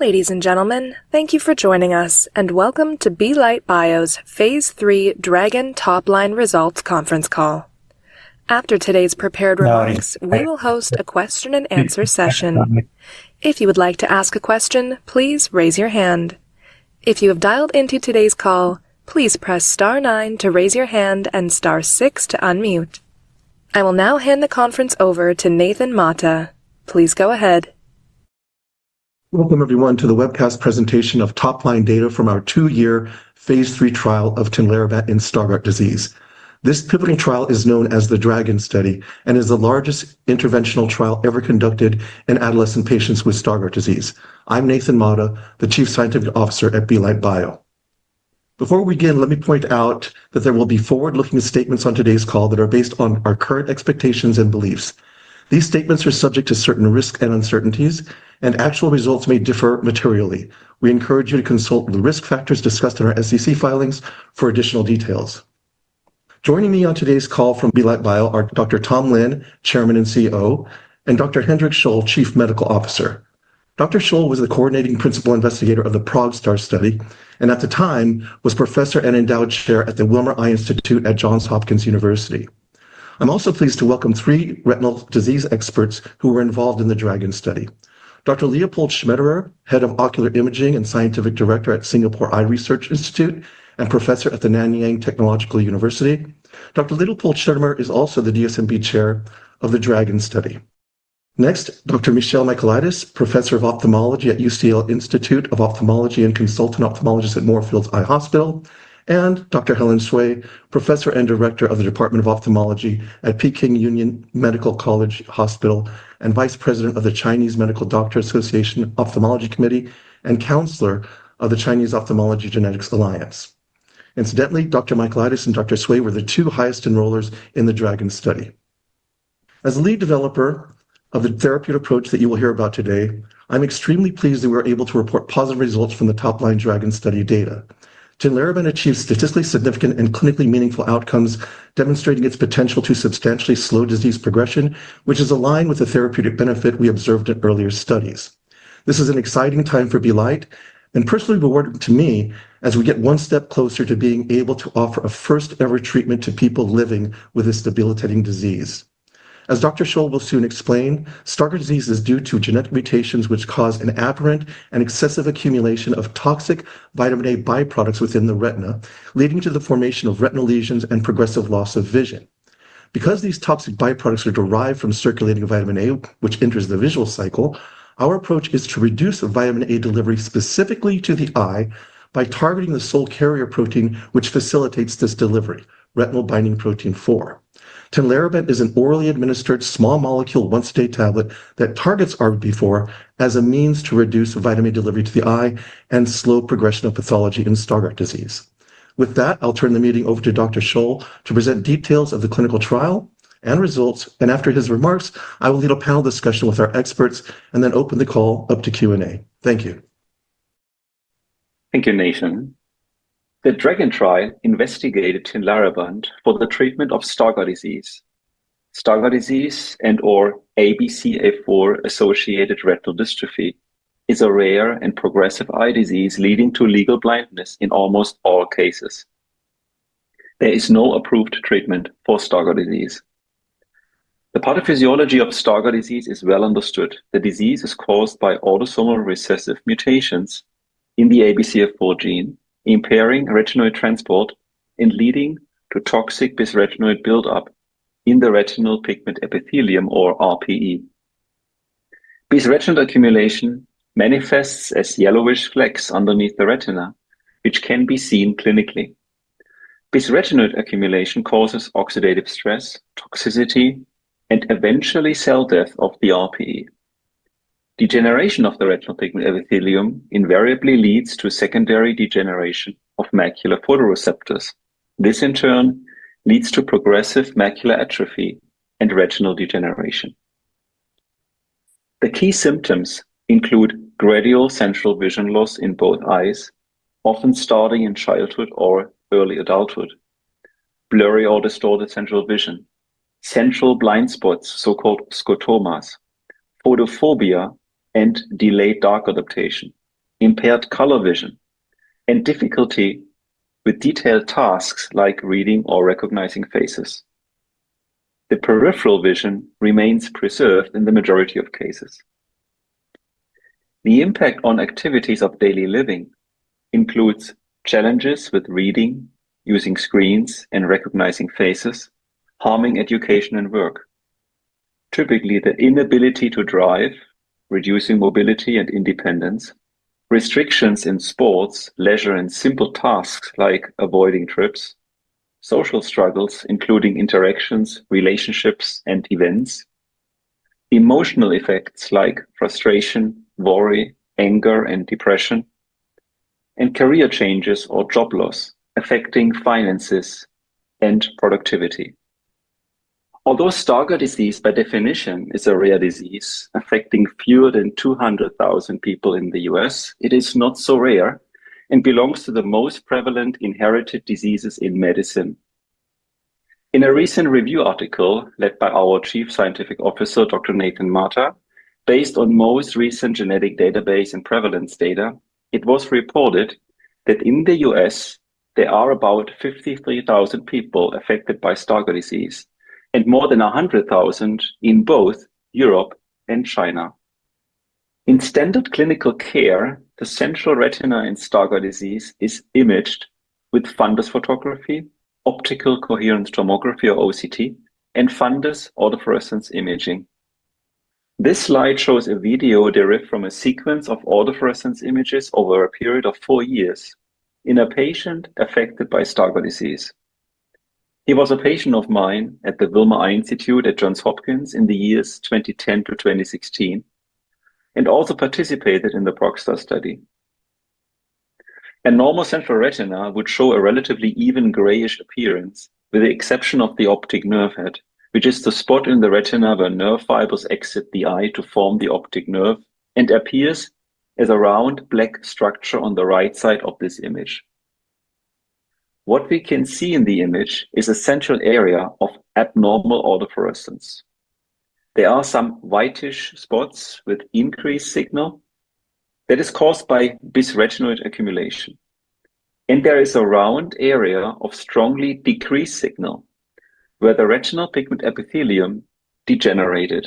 Ladies and gentlemen, thank you for joining us, and welcome to Belite Bio's phase III DRAGON topline results conference call. After today's prepared remarks, we will host a question-and-answer session. If you would like to ask a question, please raise your hand. If you have dialed into today's call, please press star nine to raise your hand and star six to unmute. I will now hand the conference over to Nathan Mata. Please go ahead. Welcome, everyone, to the webcast presentation of top-line data from our two-year phase III trial of Tinlarebant in Stargardt disease. This pivotal trial is known as the DRAGON Study and is the largest interventional trial ever conducted in adolescent patients with Stargardt disease. I'm Nathan Mata, the Chief Scientific Officer at Belite Bio. Before we begin, let me point out that there will be forward-looking statements on today's call that are based on our current expectations and beliefs. These statements are subject to certain risks and uncertainties, and actual results may differ materially. We encourage you to consult the risk factors discussed in our SEC filings for additional details. Joining me on today's call from Belite Bio are Dr. Tom Lin, Chairman and CEO, and Dr. Hendrik Scholl, Chief Medical Officer. Dr. Scholl was the coordinating principal investigator of the ProgStar Study and, at the time, was professor and endowed chair at the Wilmer Eye Institute at Johns Hopkins University. I'm also pleased to welcome three retinal disease experts who were involved in the DRAGON Study: Dr. Leopold Schmetterer, Head of Ocular Imaging and Scientific Director at Singapore Eye Research Institute and Professor at the Nanyang Technological University. Dr. Leopold Schmetterer is also the DSMB Chair of the DRAGON Study. Next, Dr. Michelle Michaelides, Professor of Ophthalmology at UCL Institute of Ophthalmology and Consultant Ophthalmologist at Moorfields Eye Hospital, and Dr. Helen Sui, Professor and Director of the Department of Ophthalmology at Peking Union Medical College Hospital and Vice President of the Chinese Medical Doctor Association Ophthalmology Committee and Counselor of the Chinese Ophthalmology Genetics Alliance. Incidentally, Dr. Michaelides and Dr. Sui were the two highest enrollers in the DRAGON Study. As the lead developer of the therapeutic approach that you will hear about today, I'm extremely pleased that we were able to report positive results from the top-line DRAGON Study data. Tinlarebant achieves statistically significant and clinically meaningful outcomes, demonstrating its potential to substantially slow disease progression, which is aligned with the therapeutic benefit we observed in earlier studies. This is an exciting time for Belite Bio and personally rewarding to me as we get one step closer to being able to offer a first-ever treatment to people living with this debilitating disease. As Dr. Scholl will soon explain, Stargardt disease is due to genetic mutations which cause an aberrant and excessive accumulation of toxic vitamin A byproducts within the retina, leading to the formation of retinal lesions and progressive loss of vision. Because these toxic byproducts are derived from circulating vitamin A, which enters the visual cycle, our approach is to reduce vitamin A delivery specifically to the eye by targeting the sole carrier protein which facilitates this delivery: retinal binding protein 4. Tinlarebant is an orally administered small molecule once-a-day tablet that targets RBP4 as a means to reduce vitamin A delivery to the eye and slow progression of pathology in Stargardt disease. With that, I'll turn the meeting over to Dr. Scholl to present details of the clinical trial and results, and after his remarks, I will lead a panel discussion with our experts and then open the call up to Q&A. Thank you. Thank you, Nathan. The DRAGON Trial investigated Tinlarebant for the treatment of Stargardt disease. Stargardt disease, and/or ABCA4-associated retinal dystrophy, is a rare and progressive eye disease leading to legal blindness in almost all cases. There is no approved treatment for Stargardt disease. The pathophysiology of Stargardt disease is well understood. The disease is caused by autosomal recessive mutations in the ABCA4 gene, impairing retinoid transport and leading to toxic bisretinoid buildup in the retinal pigment epithelium, or RPE. Bisretinoid accumulation manifests as yellowish flecks underneath the retina, which can be seen clinically. Bisretinoid accumulation causes oxidative stress, toxicity, and eventually cell death of the RPE. Degeneration of the retinal pigment epithelium invariably leads to secondary degeneration of macular photoreceptors. This, in turn, leads to progressive macular atrophy and retinal degeneration. The key symptoms include gradual central vision loss in both eyes, often starting in childhood or early adulthood, blurry or distorted central vision, central blind spots, so-called scotomas, photophobia and delayed dark adaptation, impaired color vision, and difficulty with detailed tasks like reading or recognizing faces. The peripheral vision remains preserved in the majority of cases. The impact on activities of daily living includes challenges with reading, using screens, and recognizing faces, harming education and work. Typically, the inability to drive, reducing mobility and independence, restrictions in sports, leisure, and simple tasks like avoiding trips, social struggles including interactions, relationships, and events, emotional effects like frustration, worry, anger, and depression, and career changes or job loss affecting finances and productivity. Although Stargardt disease, by definition, is a rare disease affecting fewer than 200,000 people in the U.S., it is not so rare and belongs to the most prevalent inherited diseases in medicine. In a recent review article led by our Chief Scientific Officer, Dr. Nathan Mata, based on Moore's recent genetic database and prevalence data, it was reported that in the U.S., there are about 53,000 people affected by Stargardt disease and more than 100,000 in both Europe and China. In standard clinical care, the central retina in Stargardt disease is imaged with fundus photography, optical coherence tomography, or OCT, and fundus autofluorescence imaging. This slide shows a video derived from a sequence of autofluorescence images over a period of four years in a patient affected by Stargardt disease. He was a patient of mine at the Wilmer Eye Institute at Johns Hopkins in the years 2010 to 2016 and also participated in the ProgStar Study. A normal central retina would show a relatively even grayish appearance, with the exception of the optic nerve head, which is the spot in the retina where nerve fibers exit the eye to form the optic nerve and appears as a round black structure on the right side of this image. What we can see in the image is a central area of abnormal autofluorescence. There are some whitish spots with increased signal that is caused by bisretinoid accumulation, and there is a round area of strongly decreased signal where the retinal pigment epithelium degenerated.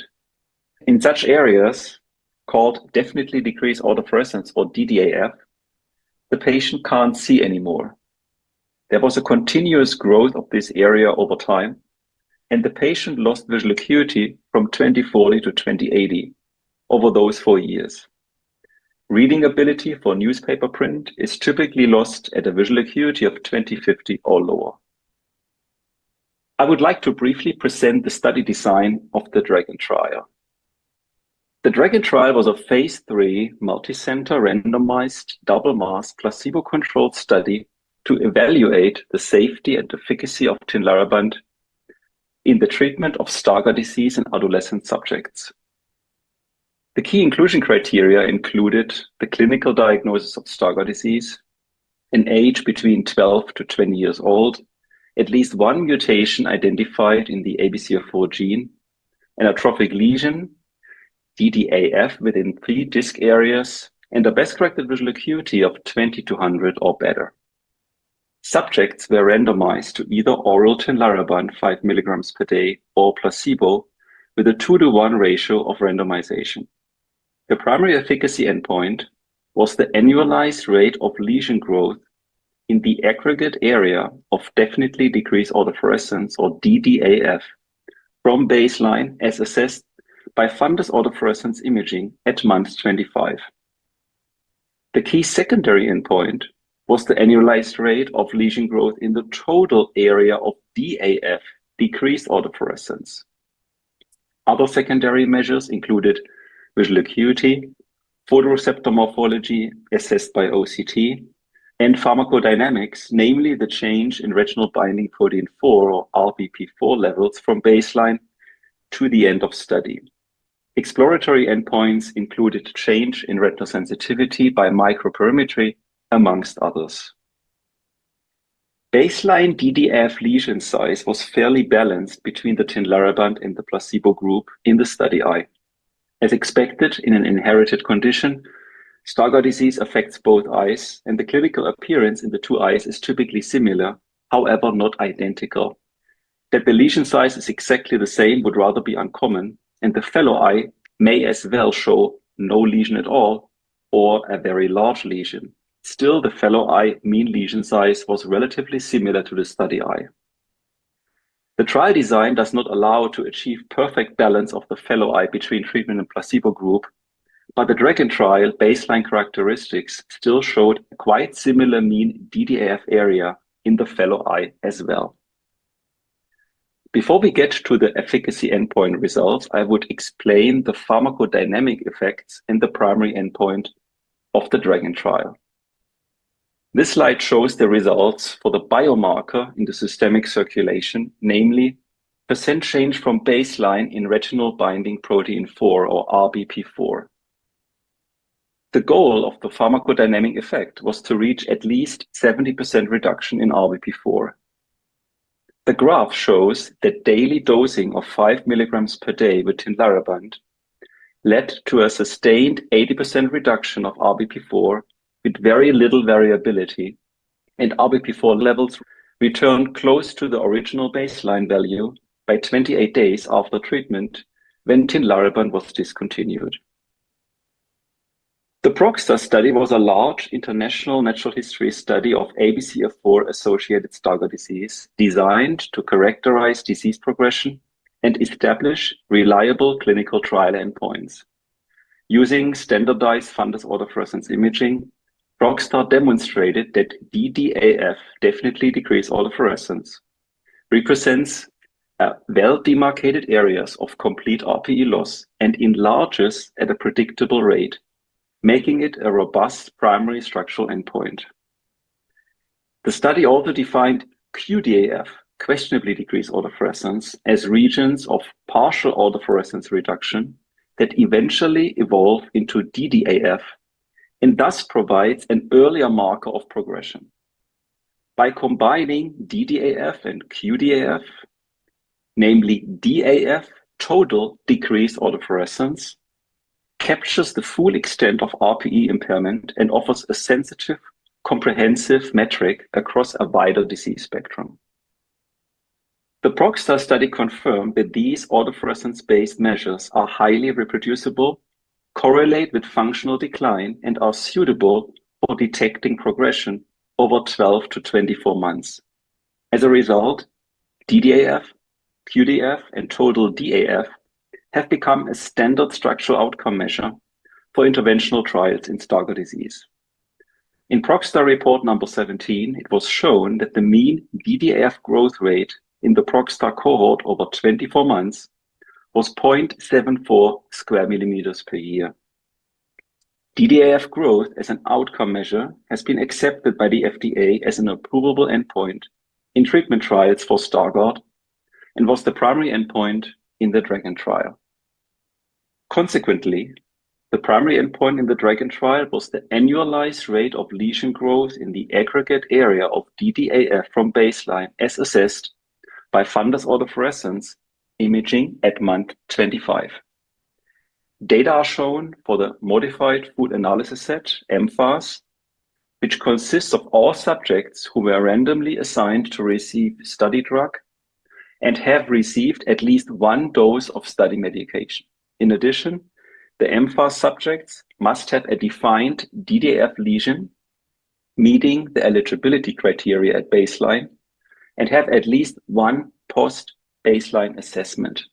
In such areas, called definitely decreased autofluorescence, or DDAF, the patient can't see anymore. There was a continuous growth of this area over time, and the patient lost visual acuity from 20/40 to 20/80 over those four years. Reading ability for newspaper print is typically lost at a visual acuity of 20/50 or lower. I would like to briefly present the study design of the DRAGON Study. The DRAGON Study was a phase III multicenter randomized double-masked placebo-controlled study to evaluate the safety and efficacy of Tinlarebant in the treatment of Stargardt disease in adolescent subjects. The key inclusion criteria included the clinical diagnosis of Stargardt disease, an age between 12 to 20 years old, at least one mutation identified in the ABCA4 gene, an atrophic lesion, DDAF within three disc areas, and a best-corrected visual acuity of 20/200 or better. Subjects were randomized to either oral Tinlarebant 5 mg per day or placebo with a two-to-one ratio of randomization. The primary efficacy endpoint was the annualized rate of lesion growth in the aggregate area of definitely decreased autofluorescence, or DDAF, from baseline as assessed by fundus autofluorescence imaging at month 25. The key secondary endpoint was the annualized rate of lesion growth in the total area of DAF, decreased autofluorescence. Other secondary measures included visual acuity, photoreceptor morphology assessed by OCT, and pharmacodynamics, namely the change in retinal binding protein 4, or RBP4, levels from baseline to the end of study. Exploratory endpoints included change in retinal sensitivity by microperimetry, amongst others. Baseline DDAF lesion size was fairly balanced between the Tinlarebant and the placebo group in the study eye. As expected in an inherited condition, Stargardt disease affects both eyes, and the clinical appearance in the two eyes is typically similar, however not identical. That the lesion size is exactly the same would rather be uncommon, and the fellow eye may as well show no lesion at all or a very large lesion. Still, the fellow eye mean lesion size was relatively similar to the study eye. The trial design does not allow to achieve perfect balance of the fellow eye between treatment and placebo group, but the DRAGON Trial baseline characteristics still showed a quite similar mean DDAF area in the fellow eye as well. Before we get to the efficacy endpoint results, I would explain the pharmacodynamic effects and the primary endpoint of the DRAGON Trial. This slide shows the results for the biomarker in the systemic circulation, namely percent change from baseline in retinal binding protein 4, or RBP4. The goal of the pharmacodynamic effect was to reach at least 70% reduction in RBP4. The graph shows that daily dosing of 5 mg per day with Tinlarebant led to a sustained 80% reduction of RBP4 with very little variability, and RBP4 levels returned close to the original baseline value by 28 days after treatment when Tinlarebant was discontinued. The ProgStar Study was a large international natural history study of ABCA4-associated Stargardt disease designed to characterize disease progression and establish reliable clinical trial endpoints. Using standardized fundus autofluorescence imaging, ProgStar demonstrated that DDAF, definitely decreased autofluorescence, represents well-demarcated areas of complete RPE loss, and enlarges at a predictable rate, making it a robust primary structural endpoint. The study also defined QDAF, questionably decreased autofluorescence, as regions of partial autofluorescence reduction that eventually evolve into DDAF and thus provides an earlier marker of progression. By combining DDAF and QDAF, namely DAF total decreased autofluorescence, captures the full extent of RPE impairment and offers a sensitive, comprehensive metric across a wider disease spectrum. The ProgStar Study confirmed that these autofluorescence-based measures are highly reproducible, correlate with functional decline, and are suitable for detecting progression over 12 to 24 months. As a result, DDAF, QDAF, and total DAF have become a standard structural outcome measure for interventional trials in Stargardt disease. In ProgStar report number 17, it was shown that the mean DDAF growth rate in the ProgStar cohort over 24 months was 0.74 sq mm per year. DDAF growth as an outcome measure has been accepted by the FDA as an approvable endpoint in treatment trials for Stargardt and was the primary endpoint in the DRAGON Study. Consequently, the primary endpoint in the DRAGON Study was the annualized rate of lesion growth in the aggregate area of DDAF from baseline as assessed by fundus autofluorescence imaging at month 25. Data are shown for the Modified Full Analysis Set, MFAS, which consists of all subjects who were randomly assigned to receive study drug and have received at least one dose of study medication. In addition, the MFAS subjects must have a defined DDAF lesion, meeting the eligibility criteria at baseline, and have at least one post-baseline assessment.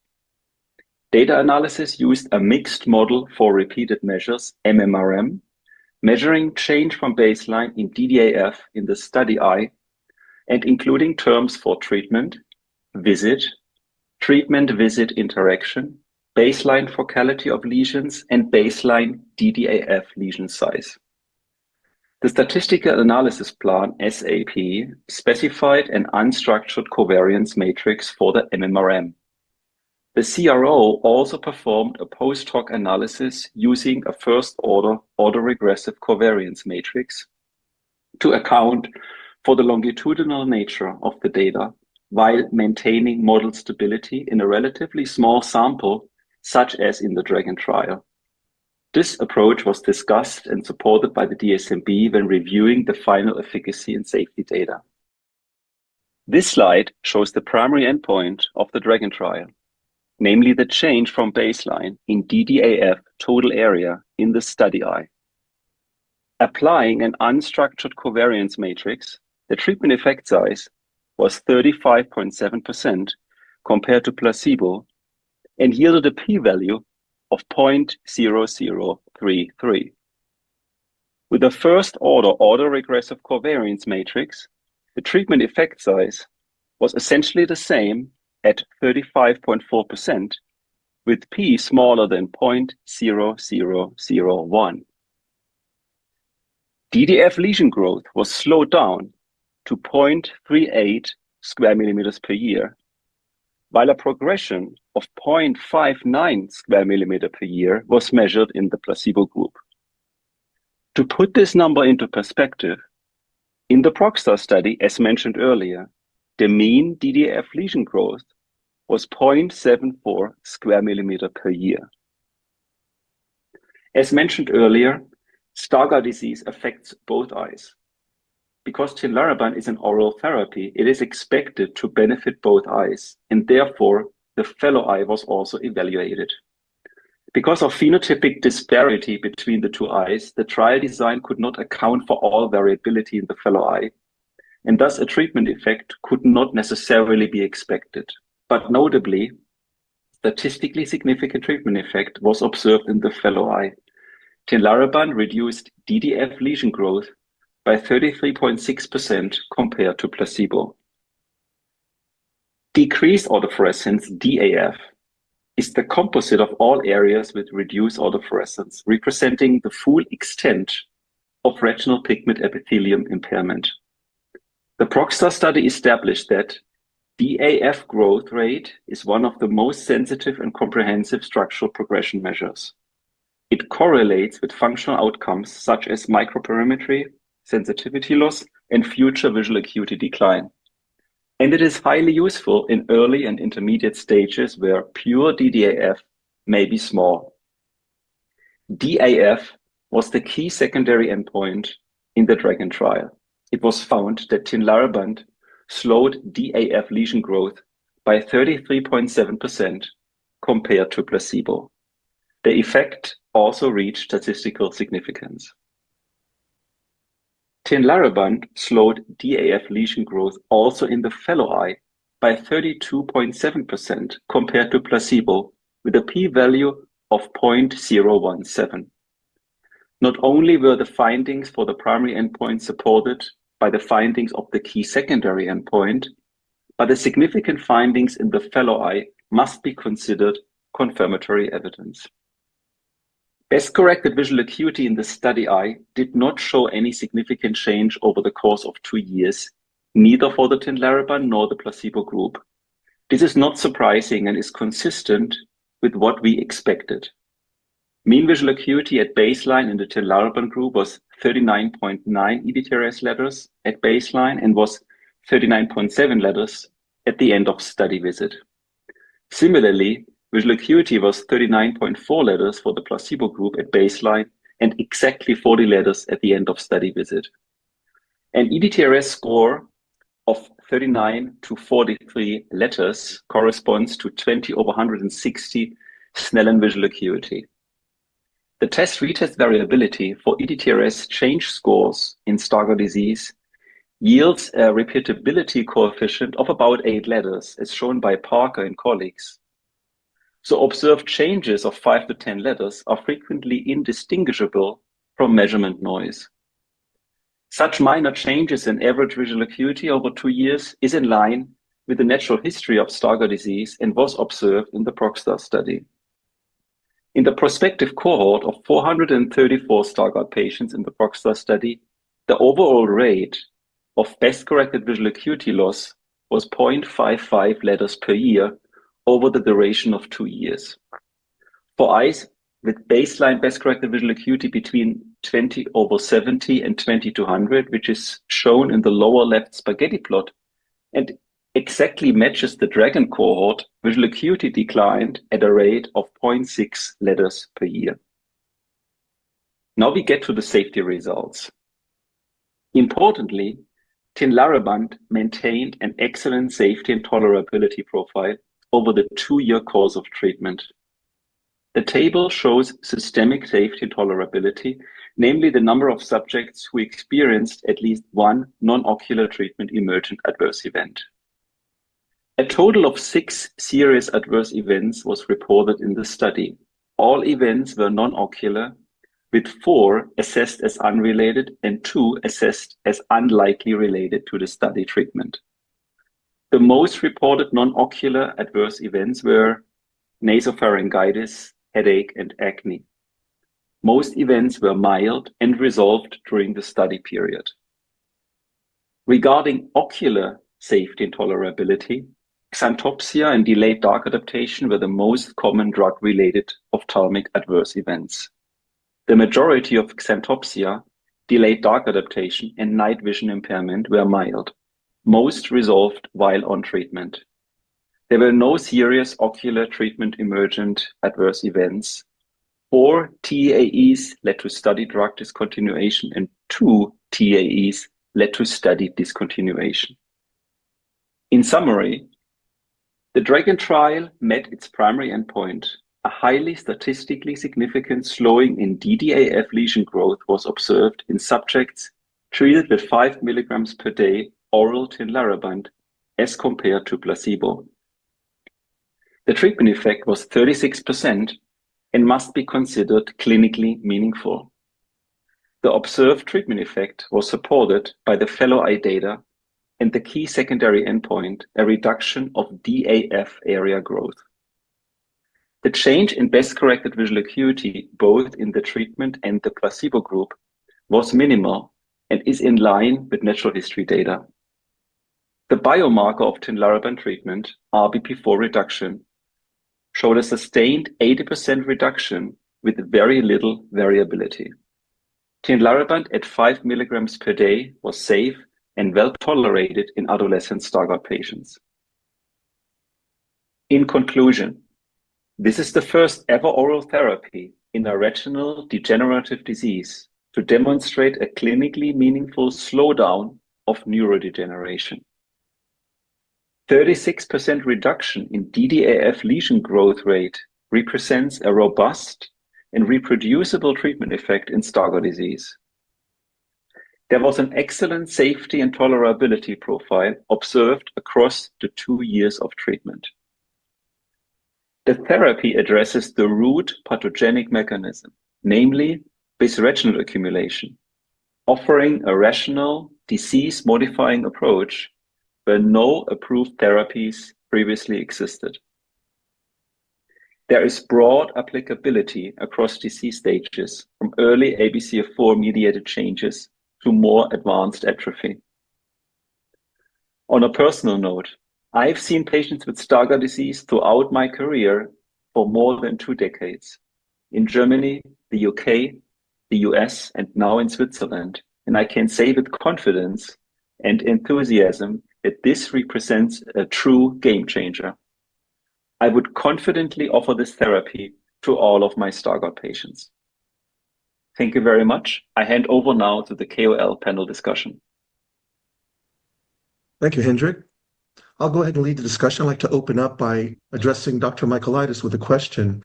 Data analysis used a mixed model for repeated measures, MMRM, measuring change from baseline in DDAF in the study eye and including terms for treatment, visit, treatment-visit interaction, baseline focality of lesions, and baseline DDAF lesion size. The Statistical Analysis Plan, SAP, specified an unstructured covariance matrix for the MMRM. The CRO also performed a post-hoc analysis using a first-order autoregressive covariance matrix to account for the longitudinal nature of the data while maintaining model stability in a relatively small sample, such as in the DRAGON Study. This approach was discussed and supported by the DSMB when reviewing the final efficacy and safety data. This slide shows the primary endpoint of the DRAGON Study, namely the change from baseline in DDAF total area in the study eye. Applying an unstructured covariance matrix, the treatment effect size was 35.7% compared to placebo and yielded a p-value of 0.0033. With the first-order autoregressive covariance matrix, the treatment effect size was essentially the same at 35.4%, with p smaller than 0.0001. DDAF lesion growth was slowed down to 0.38 sq mm per year, while a progression of 0.59 sq mm per year was measured in the placebo group. To put this number into perspective, in the ProgStar Study, as mentioned earlier, the mean DDAF lesion growth was 0.74 sq mm per year. As mentioned earlier, Stargardt disease affects both eyes. Because Tinlarebant is an oral therapy, it is expected to benefit both eyes, and therefore the fellow eye was also evaluated. Because of phenotypic disparity between the two eyes, the trial design could not account for all variability in the fellow eye, and thus a treatment effect could not necessarily be expected. Notably, statistically significant treatment effect was observed in the fellow eye. Tinlarebant reduced DDAF lesion growth by 33.6% compared to placebo. Decreased autofluorescence DAF is the composite of all areas with reduced autofluorescence, representing the full extent of retinal pigment epithelium impairment. The ProgStar Study established that DAF growth rate is one of the most sensitive and comprehensive structural progression measures. It correlates with functional outcomes such as microperimetry, sensitivity loss, and future visual acuity decline, and it is highly useful in early and intermediate stages where pure DDAF may be small. DAF was the key secondary endpoint in the DRAGON Study. It was found that Tinlarebant slowed DAF lesion growth by 33.7% compared to placebo. The effect also reached statistical significance. Tinlarebant slowed DAF lesion growth also in the fellow eye by 32.7% compared to placebo, with a p-value of 0.017. Not only were the findings for the primary endpoint supported by the findings of the key secondary endpoint, but the significant findings in the fellow eye must be considered confirmatory evidence. Best-corrected visual acuity in the study eye did not show any significant change over the course of two years, neither for the Tinlarebant nor the placebo group. This is not surprising and is consistent with what we expected. Mean visual acuity at baseline in the Tinlarebant group was 39.9 ETDRS letters at baseline and was 39.7 letters at the end of study visit. Similarly, visual acuity was 39.4 letters for the placebo group at baseline and exactly 40 letters at the end of study visit. An ETDRS score of 39-43 letters corresponds to 20 over 160 Snellen visual acuity. The test-retest variability for ETDRS change scores in Stargardt disease yields a repeatability coefficient of about eight letters, as shown by Parker and colleagues. Observed changes of five to ten letters are frequently indistinguishable from measurement noise. Such minor changes in average visual acuity over two years is in line with the natural history of Stargardt disease and was observed in the ProgStar Study. In the prospective cohort of 434 Stargardt patients in the ProgStar Study, the overall rate of best-corrected visual acuity loss was 0.55 letters per year over the duration of two years. For eyes with baseline best-corrected visual acuity between 20 over 70 and 20 to 100, which is shown in the lower left spaghetti plot and exactly matches the DRAGON cohort, visual acuity declined at a rate of 0.6 letters per year. Now we get to the safety results. Importantly, Tinlarebant maintained an excellent safety and tolerability profile over the two-year course of treatment. The table shows systemic safety and tolerability, namely the number of subjects who experienced at least one non-ocular treatment emergent adverse event. A total of six serious adverse events was reported in the study. All events were non-ocular, with four assessed as unrelated and two assessed as unlikely related to the study treatment. The most reported non-ocular adverse events were nasopharyngitis, headache, and acne. Most events were mild and resolved during the study period. Regarding ocular safety and tolerability, xanthopsia and delayed dark adaptation were the most common drug-related ophthalmic adverse events. The majority of xanthopsia, delayed dark adaptation, and night vision impairment were mild, most resolved while on treatment. There were no serious ocular treatment emergent adverse events. Four TAEs led to study drug discontinuation, and two TAEs led to study discontinuation. In summary, the DRAGON Study met its primary endpoint. A highly statistically significant slowing in DDAF lesion growth was observed in subjects treated with 5 mg per day oral Tinlarebant as compared to placebo. The treatment effect was 36% and must be considered clinically meaningful. The observed treatment effect was supported by the fellow eye data and the key secondary endpoint, a reduction of DAF area growth. The change in best-corrected visual acuity both in the treatment and the placebo group was minimal and is in line with natural history data. The biomarker of Tinlarebant treatment, RBP4 reduction, showed a sustained 80% reduction with very little variability. Tinlarebant at 5 mg per day was safe and well tolerated in adolescent Stargardt patients. In conclusion, this is the first ever oral therapy in a retinal degenerative disease to demonstrate a clinically meaningful slowdown of neurodegeneration. 36% reduction in DDAF lesion growth rate represents a robust and reproducible treatment effect in Stargardt disease. There was an excellent safety and tolerability profile observed across the two years of treatment. The therapy addresses the root pathogenic mechanism, namely bisretinoid accumulation, offering a rational disease-modifying approach where no approved therapies previously existed. There is broad applicability across disease stages, from early ABCA4-mediated changes to more advanced atrophy. On a personal note, I've seen patients with Stargardt disease throughout my career for more than two decades in Germany, the U.K., the U.S., and now in Switzerland, and I can say with confidence and enthusiasm that this represents a true game changer. I would confidently offer this therapy to all of my Stargardt patients. Thank you very much. I hand over now to the KOL panel discussion. Thank you, Hendrik. I'll go ahead and lead the discussion. I'd like to open up by addressing Dr. Michaelides with a question.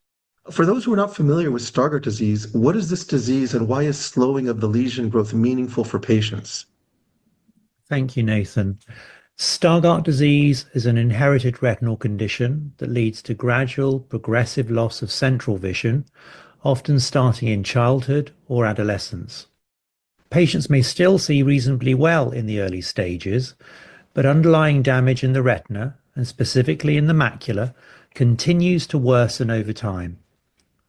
For those who are not familiar with Stargardt disease, what is this disease and why is slowing of the lesion growth meaningful for patients? Thank you, Nathan. Stargardt disease is an inherited retinal condition that leads to gradual progressive loss of central vision, often starting in childhood or adolescence. Patients may still see reasonably well in the early stages, but underlying damage in the retina, and specifically in the macula, continues to worsen over time.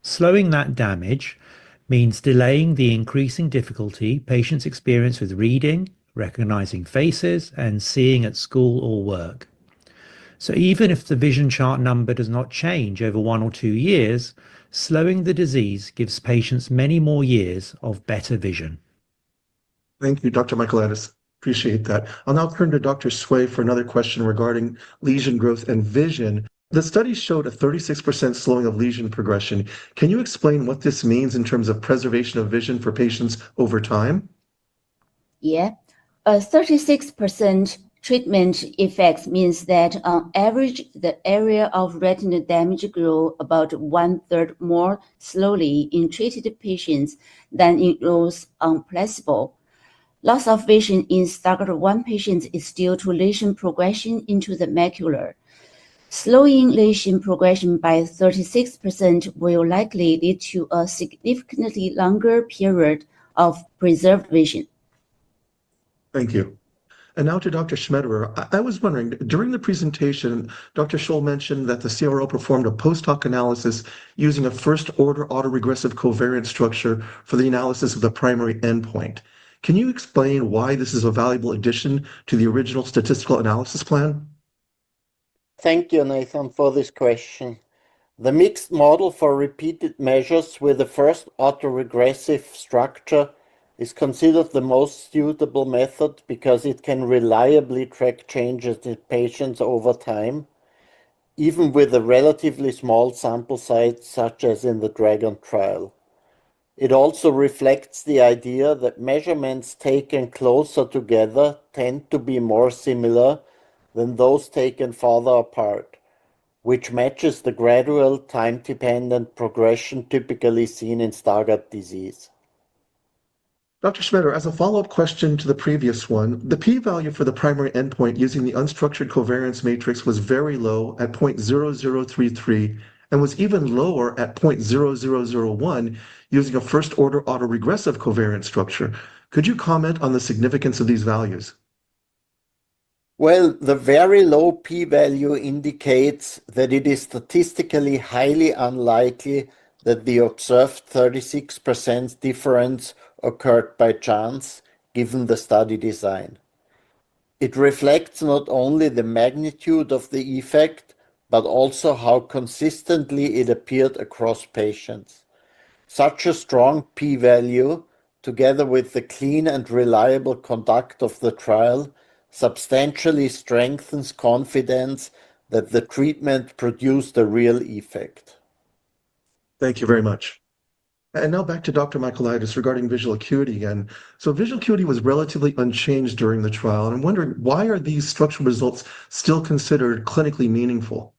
Slowing that damage means delaying the increasing difficulty patients experience with reading, recognizing faces, and seeing at school or work. Even if the vision chart number does not change over one or two years, slowing the disease gives patients many more years of better vision. Thank you, Dr. Michaelides. Appreciate that. I'll now turn to Dr. Sui for another question regarding lesion growth and vision. The study showed a 36% slowing of lesion progression. Can you explain what this means in terms of preservation of vision for patients over time? Yeah. A 36% treatment effect means that, on average, the area of retinal damage grows about 1/3 more slowly in treated patients than it grows on placebo. Loss of vision in Stargardt 1 patients is due to lesion progression into the macula. Slowing lesion progression by 36% will likely lead to a significantly longer period of preserved vision. Thank you. Now to Dr. Scholl. I was wondering, during the presentation, Dr. Scholl mentioned that the CRO performed a post-hoc analysis using a first-order autoregressive covariance structure for the analysis of the primary endpoint. Can you explain why this is a valuable addition to the original statistical analysis plan? Thank you, Nathan, for this question. The mixed model for repeated measures with the first autoregressive structure is considered the most suitable method because it can reliably track changes in patients over time, even with a relatively small sample size, such as in the DRAGON Study. It also reflects the idea that measurements taken closer together tend to be more similar than those taken farther apart, which matches the gradual time-dependent progression typically seen in Stargardt disease. Dr. Schmetterer. As a follow-up question to the previous one, the p-value for the primary endpoint using the unstructured covariance matrix was very low at 0.0033 and was even lower at 0.0001 using a first-order autoregressive covariance structure. Could you comment on the significance of these values? The very low p-value indicates that it is statistically highly unlikely that the observed 36% difference occurred by chance, given the study design. It reflects not only the magnitude of the effect, but also how consistently it appeared across patients. Such a strong p-value, together with the clean and reliable conduct of the trial, substantially strengthens confidence that the treatment produced a real effect. Thank you very much. Now back to Dr. Michaelides regarding visual acuity again. Visual acuity was relatively unchanged during the trial. I'm wondering, why are these structural results still considered clinically meaningful?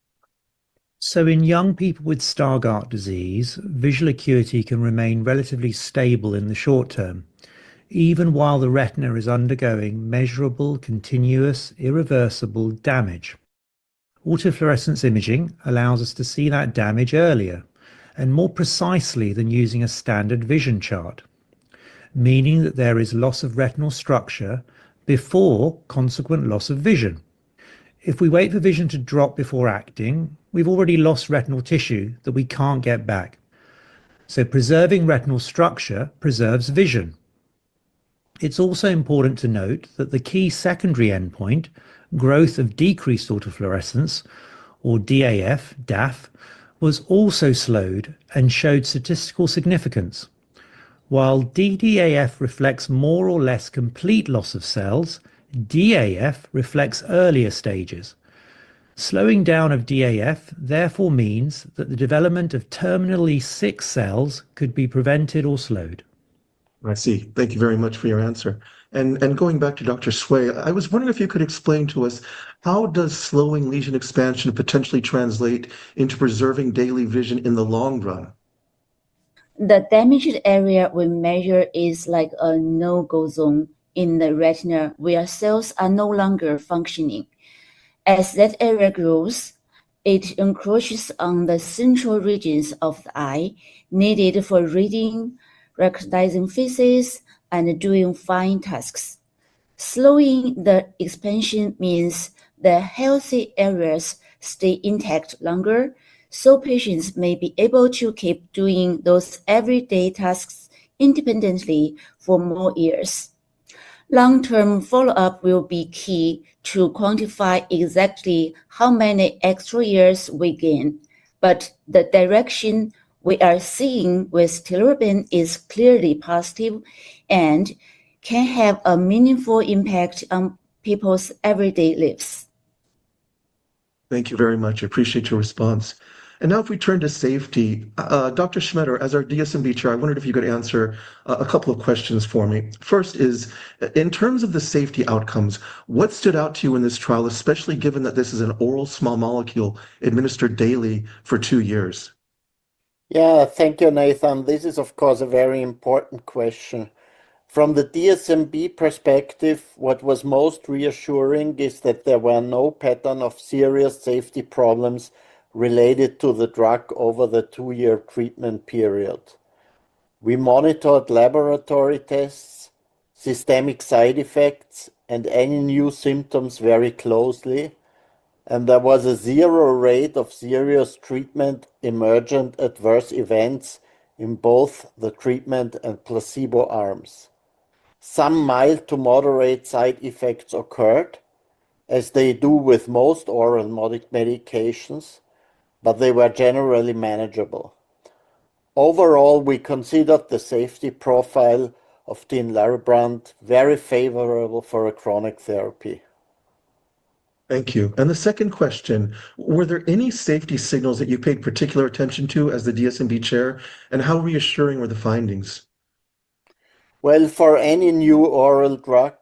In young people with Stargardt disease, visual acuity can remain relatively stable in the short term, even while the retina is undergoing measurable, continuous, irreversible damage. Autofluorescence imaging allows us to see that damage earlier and more precisely than using a standard vision chart, meaning that there is loss of retinal structure before consequent loss of vision. If we wait for vision to drop before acting, we've already lost retinal tissue that we can't get back. Preserving retinal structure preserves vision. It's also important to note that the key secondary endpoint, growth of decreased autofluorescence, or DAF, was also slowed and showed statistical significance. While DDAF reflects more or less complete loss of cells, DAF reflects earlier stages. Slowing down of DAF therefore means that the development of terminally sick cells could be prevented or slowed. I see. Thank you very much for your answer. Going back to Dr. Sui, I was wondering if you could explain to us how does slowing lesion expansion potentially translate into preserving daily vision in the long run? The damaged area we measure is like a no-go zone in the retina where cells are no longer functioning. As that area grows, it encroaches on the central regions of the eye needed for reading, recognizing faces, and doing fine tasks. Slowing the expansion means the healthy areas stay intact longer, so patients may be able to keep doing those everyday tasks independently for more years. Long-term follow-up will be key to quantify exactly how many extra years we gain. The direction we are seeing with Tinlarebant is clearly positive and can have a meaningful impact on people's everyday lives. Thank you very much. I appreciate your response. Now if we turn to safety, Dr. Schmetterer, as our DSMB chair, I wondered if you could answer a couple of questions for me. First is, in terms of the safety outcomes, what stood out to you in this trial, especially given that this is an oral small molecule administered daily for two years? Yeah, thank you, Nathan. This is, of course, a very important question. From the DSMB perspective, what was most reassuring is that there were no pattern of serious safety problems related to the drug over the two-year treatment period. We monitored laboratory tests, systemic side effects, and any new symptoms very closely. There was a zero rate of serious treatment emergent adverse events in both the treatment and placebo arms. Some mild to moderate side effects occurred, as they do with most oral medications, but they were generally manageable. Overall, we considered the safety profile of Tinlarebant very favorable for a chronic therapy. Thank you. The second question, were there any safety signals that you paid particular attention to as the DSMB chair, and how reassuring were the findings? For any new oral drug,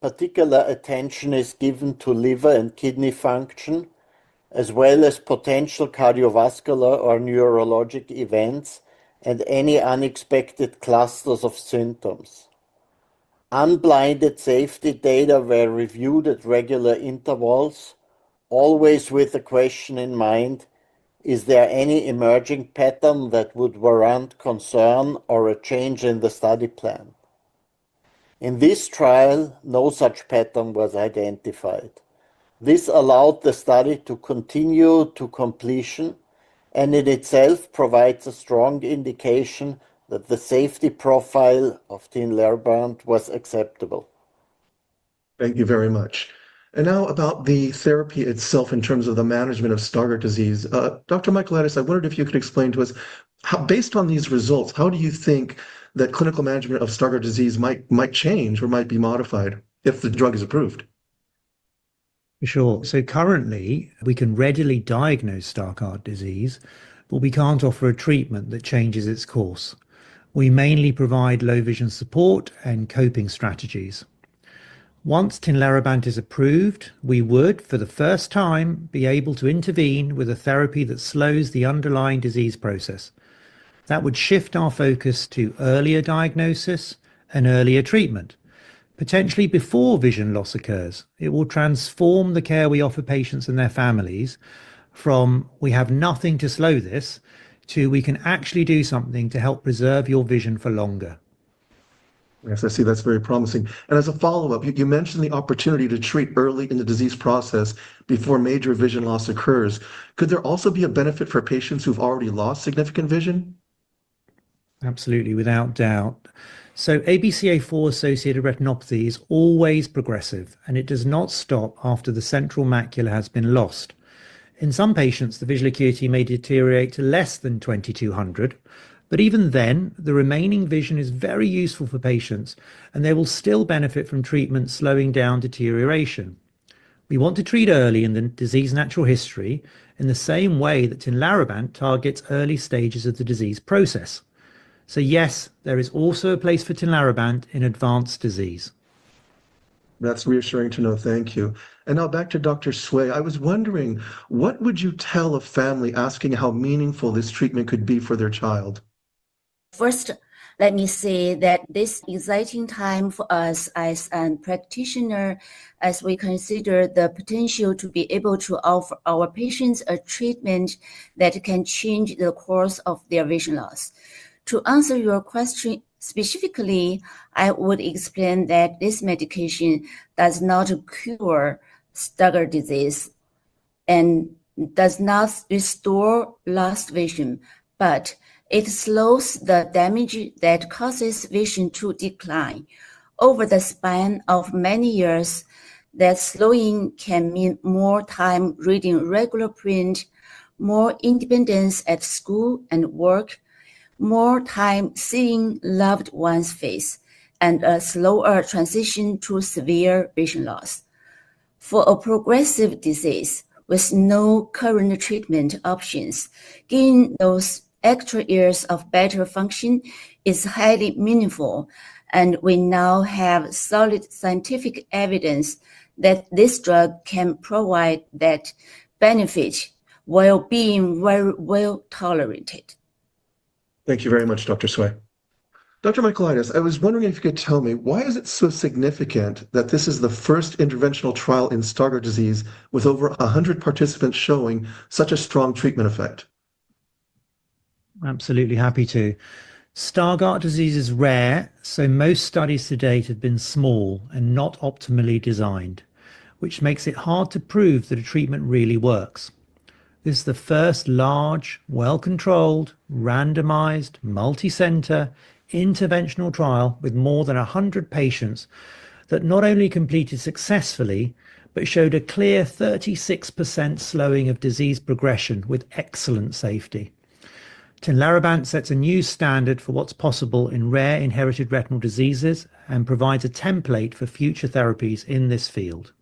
particular attention is given to liver and kidney function, as well as potential cardiovascular or neurologic events and any unexpected clusters of symptoms. Unblinded safety data were reviewed at regular intervals, always with the question in mind, is there any emerging pattern that would warrant concern or a change in the study plan? In this trial, no such pattern was identified. This allowed the study to continue to completion, and it itself provides a strong indication that the safety profile of Tinlarebant was acceptable. Thank you very much. Now about the therapy itself in terms of the management of Stargardt disease. Dr. Michaelides, I wondered if you could explain to us, based on these results, how do you think that clinical management of Stargardt disease might change or might be modified if the drug is approved? Sure. Currently, we can readily diagnose Stargardt disease, but we can't offer a treatment that changes its course. We mainly provide low-vision support and coping strategies. Once Tinlarebant is approved, we would, for the first time, be able to intervene with a therapy that slows the underlying disease process. That would shift our focus to earlier diagnosis and earlier treatment, potentially before vision loss occurs. It will transform the care we offer patients and their families from, "We have nothing to slow this," to, "We can actually do something to help preserve your vision for longer." Yes, I see that's very promising. As a follow-up, you mentioned the opportunity to treat early in the disease process before major vision loss occurs. Could there also be a benefit for patients who've already lost significant vision? Absolutely, without doubt. ABCA4-associated retinopathy is always progressive, and it does not stop after the central macula has been lost. In some patients, the visual acuity may deteriorate to less than 2200, but even then, the remaining vision is very useful for patients, and they will still benefit from treatment slowing down deterioration. We want to treat early in the disease natural history in the same way that Tinlarebant targets early stages of the disease process. Yes, there is also a place for Tinlarebant in advanced disease. That's reassuring to know. Thank you. Now back to Dr. Sui. I was wondering, what would you tell a family asking how meaningful this treatment could be for their child? First, let me say that this is an exciting time for us as a practitioner, as we consider the potential to be able to offer our patients a treatment that can change the course of their vision loss. To answer your question specifically, I would explain that this medication does not cure Stargardt disease and does not restore lost vision, but it slows the damage that causes vision to decline. Over the span of many years, that slowing can mean more time reading regular print, more independence at school and work, more time seeing loved ones' face, and a slower transition to severe vision loss. For a progressive disease with no current treatment options, gaining those extra years of better function is highly meaningful, and we now have solid scientific evidence that this drug can provide that benefit while being very well tolerated. Thank you very much, Dr. Sui. Dr. Michaelides, I was wondering if you could tell me, why is it so significant that this is the first interventional trial in Stargardt disease with over 100 participants showing such a strong treatment effect? Absolutely happy to. Stargardt disease is rare, so most studies to date have been small and not optimally designed, which makes it hard to prove that a treatment really works. This is the first large, well-controlled, randomized, multicenter interventional trial with more than 100 patients that not only completed successfully, but showed a clear 36% slowing of disease progression with excellent safety. Tinlarebant sets a new standard for what's possible in rare inherited retinal diseases and provides a template for future therapies in this field.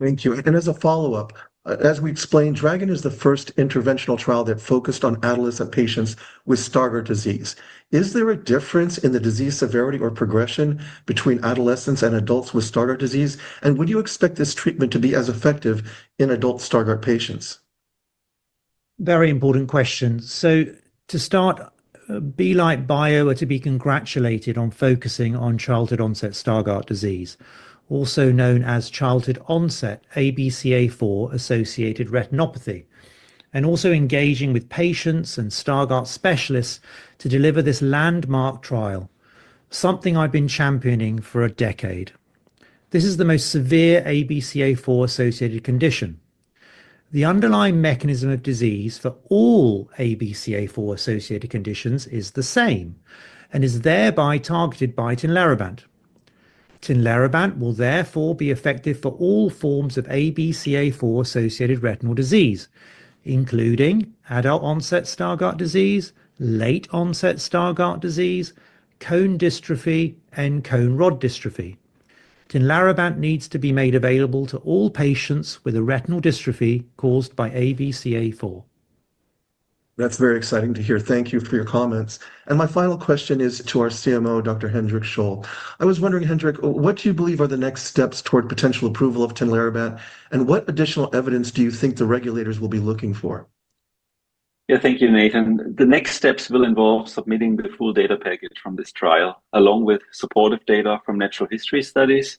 Thank you. As a follow-up, as we explained, DRAGON is the first interventional trial that focused on adolescent patients with Stargardt disease. Is there a difference in the disease severity or progression between adolescents and adults with Stargardt disease? Would you expect this treatment to be as effective in adult Stargardt patients? Very important question. To start, Belite Bio were to be congratulated on focusing on childhood-onset Stargardt disease, also known as childhood-onset ABCA4-associated retinopathy, and also engaging with patients and Stargardt specialists to deliver this landmark trial, something I've been championing for a decade. This is the most severe ABCA4-associated condition. The underlying mechanism of disease for all ABCA4-associated conditions is the same and is thereby targeted by Tinlarebant. Tinlarebant will therefore be effective for all forms of ABCA4-associated retinal disease, including adult-onset Stargardt disease, late-onset Stargardt disease, cone dystrophy, and cone rod dystrophy. Tinlarebant needs to be made available to all patients with a retinal dystrophy caused by ABCA4. That's very exciting to hear. Thank you for your comments. My final question is to our CMO, Dr. Hendrik Scholl. I was wondering, Hendrik, what do you believe are the next steps toward potential approval of Tinlarebant, and what additional evidence do you think the regulators will be looking for? Yeah, thank you, Nathan. The next steps will involve submitting the full data package from this trial, along with supportive data from natural history studies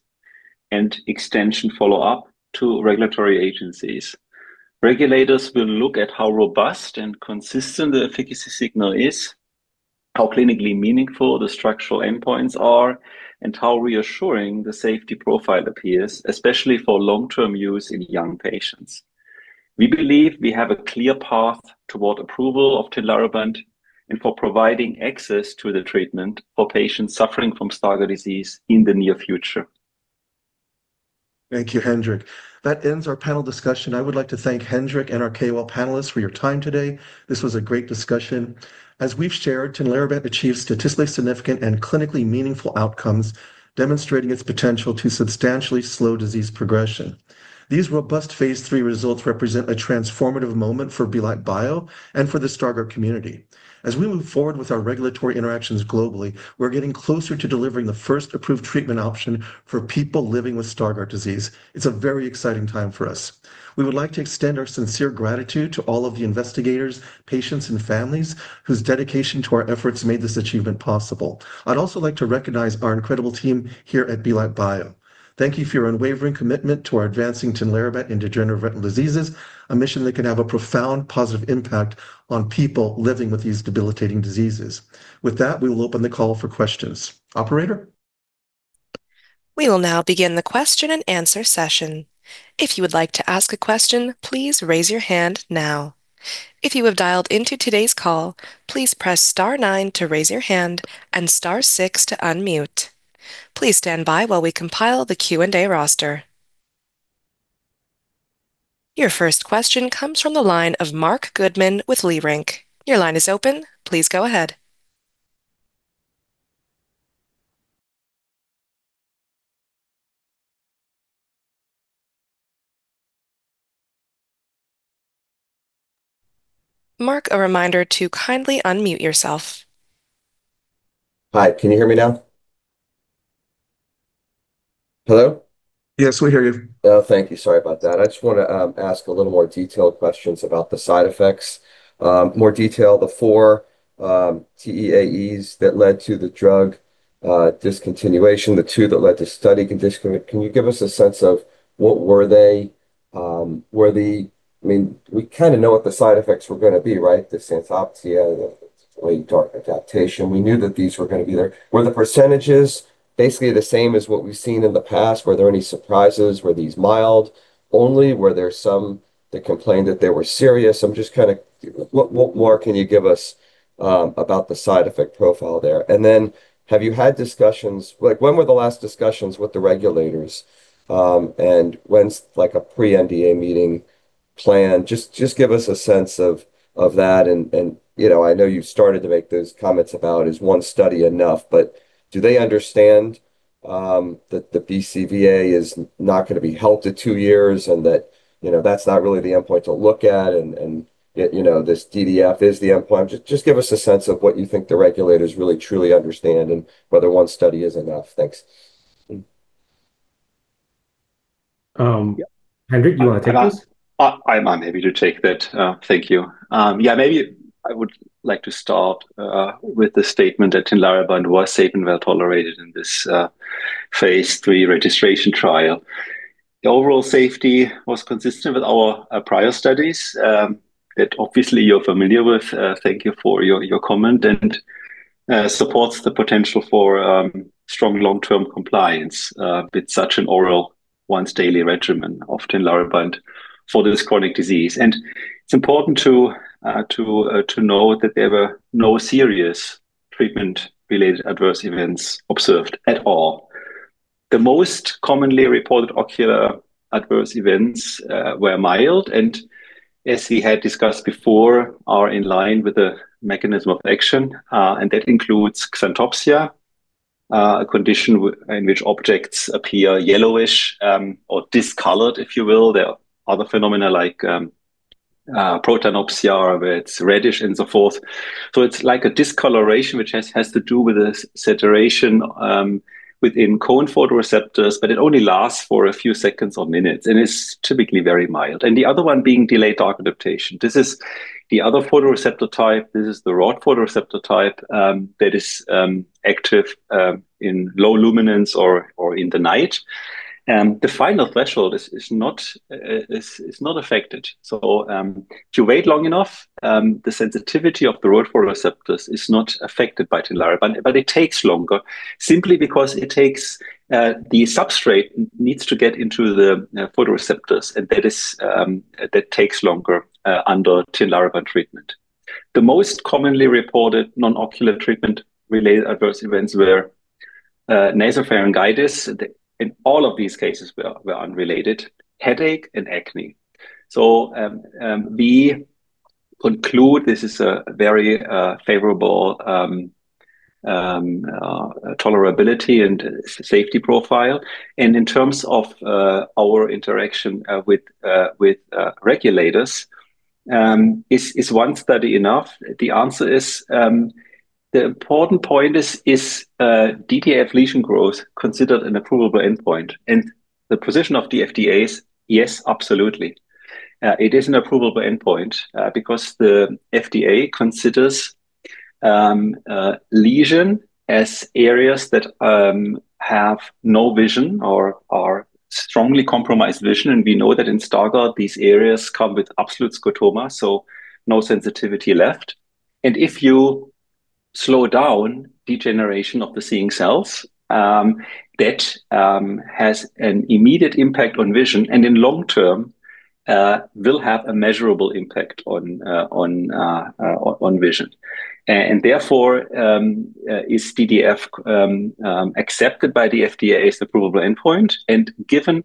and extension follow-up to regulatory agencies. Regulators will look at how robust and consistent the efficacy signal is, how clinically meaningful the structural endpoints are, and how reassuring the safety profile appears, especially for long-term use in young patients. We believe we have a clear path toward approval of Tinlarebant and for providing access to the treatment for patients suffering from Stargardt disease in the near future. Thank you, Hendrik. That ends our panel discussion. I would like to thank Hendrik and our KOL panelists for your time today. This was a great discussion. As we've shared, Tinlarebant achieves statistically significant and clinically meaningful outcomes, demonstrating its potential to substantially slow disease progression. These robust phase III results represent a transformative moment for Belite Bio and for the Stargardt community. As we move forward with our regulatory interactions globally, we're getting closer to delivering the first approved treatment option for people living with Stargardt disease. It's a very exciting time for us. We would like to extend our sincere gratitude to all of the investigators, patients, and families whose dedication to our efforts made this achievement possible. I'd also like to recognize our incredible team here at Belite Bio. Thank you for your unwavering commitment to our advancing Tinlarebant in degenerative retinal diseases, a mission that can have a profound positive impact on people living with these debilitating diseases. With that, we will open the call for questions. Operator? We will now begin the question-and-answer session. If you would like to ask a question, please raise your hand now. If you have dialed into today's call, please press star nine to raise your hand and star six to unmute. Please stand by while we compile the Q&A roster. Your first question comes from the line of Marc Goodman with Leerink. Your line is open. Please go ahead. Marc, a reminder to kindly unmute yourself. Hi, can you hear me now? Hello? Yes, we hear you. Thank you. Sorry about that. I just want to ask a little more detailed questions about the side effects. More detail, the four TEAEs that led to the drug discontinuation, the two that led to study condition. Can you give us a sense of what were they? I mean, we kind of know what the side effects were going to be, right? The xanthopsia, the late-adaptation. We knew that these were going to be there. Were the percentages basically the same as what we've seen in the past? Were there any surprises? Were these mild only? Were there some that complained that they were serious? I'm just kind of, what more can you give us about the side effect profile there? And then, have you had discussions? When were the last discussions with the regulators? When's a pre-NDA meeting planned? Just give us a sense of that. I know you've started to make those comments about, is one study enough? Do they understand that the BCVA is not going to be held to two years and that that's not really the endpoint to look at? This DDAF is the endpoint. Just give us a sense of what you think the regulators really, truly understand and whether one study is enough. Thanks. Hendrik, do you want to take this? I'm happy to take that. Thank you. Yeah, maybe I would like to start with the statement that Tinlarebant was safe and well tolerated in this phase III registration trial. The overall safety was consistent with our prior studies that obviously you're familiar with. Thank you for your comment. Supports the potential for strong long-term compliance with such an oral once-daily regimen, of Tinlarebant, for this chronic disease. It is important to know that there were no serious treatment-related adverse events observed at all. The most commonly reported ocular adverse events were mild, and as we had discussed before, are in line with the mechanism of action. That includes xanthopsia, a condition in which objects appear yellowish or discolored, if you will. There are other phenomena like protanopsia, where it is reddish and so forth. It is like a discoloration, which has to do with the saturation within cone photoreceptors, but it only lasts for a few seconds or minutes and is typically very mild. The other one being delayed dark adaptation. This is the other photoreceptor type. This is the rod photoreceptor type that is active in low luminance or in the night. The final threshold is not affected. If you wait long enough, the sensitivity of the rod photoreceptors is not affected by Tinlarebant, but it takes longer simply because it takes the substrate needs to get into the photoreceptors, and that takes longer under Tinlarebant treatment. The most commonly reported non-ocular treatment-related adverse events were nasopharyngitis. In all of these cases, they were unrelated: headache and acne. We conclude this is a very favorable tolerability and safety profile. In terms of our interaction with regulators, is one study enough? The answer is the important point is DDAF lesion growth considered an approval for endpoint. The position of the FDA is, yes, absolutely. It is an approval for endpoint because the FDA considers lesion as areas that have no vision or strongly compromised vision. We know that in Stargardt, these areas come with absolute scotoma, so no sensitivity left. If you slow down degeneration of the seeing cells, that has an immediate impact on vision and in long term will have a measurable impact on vision. Therefore, is DDAF accepted by the FDA as the approval for endpoint? Given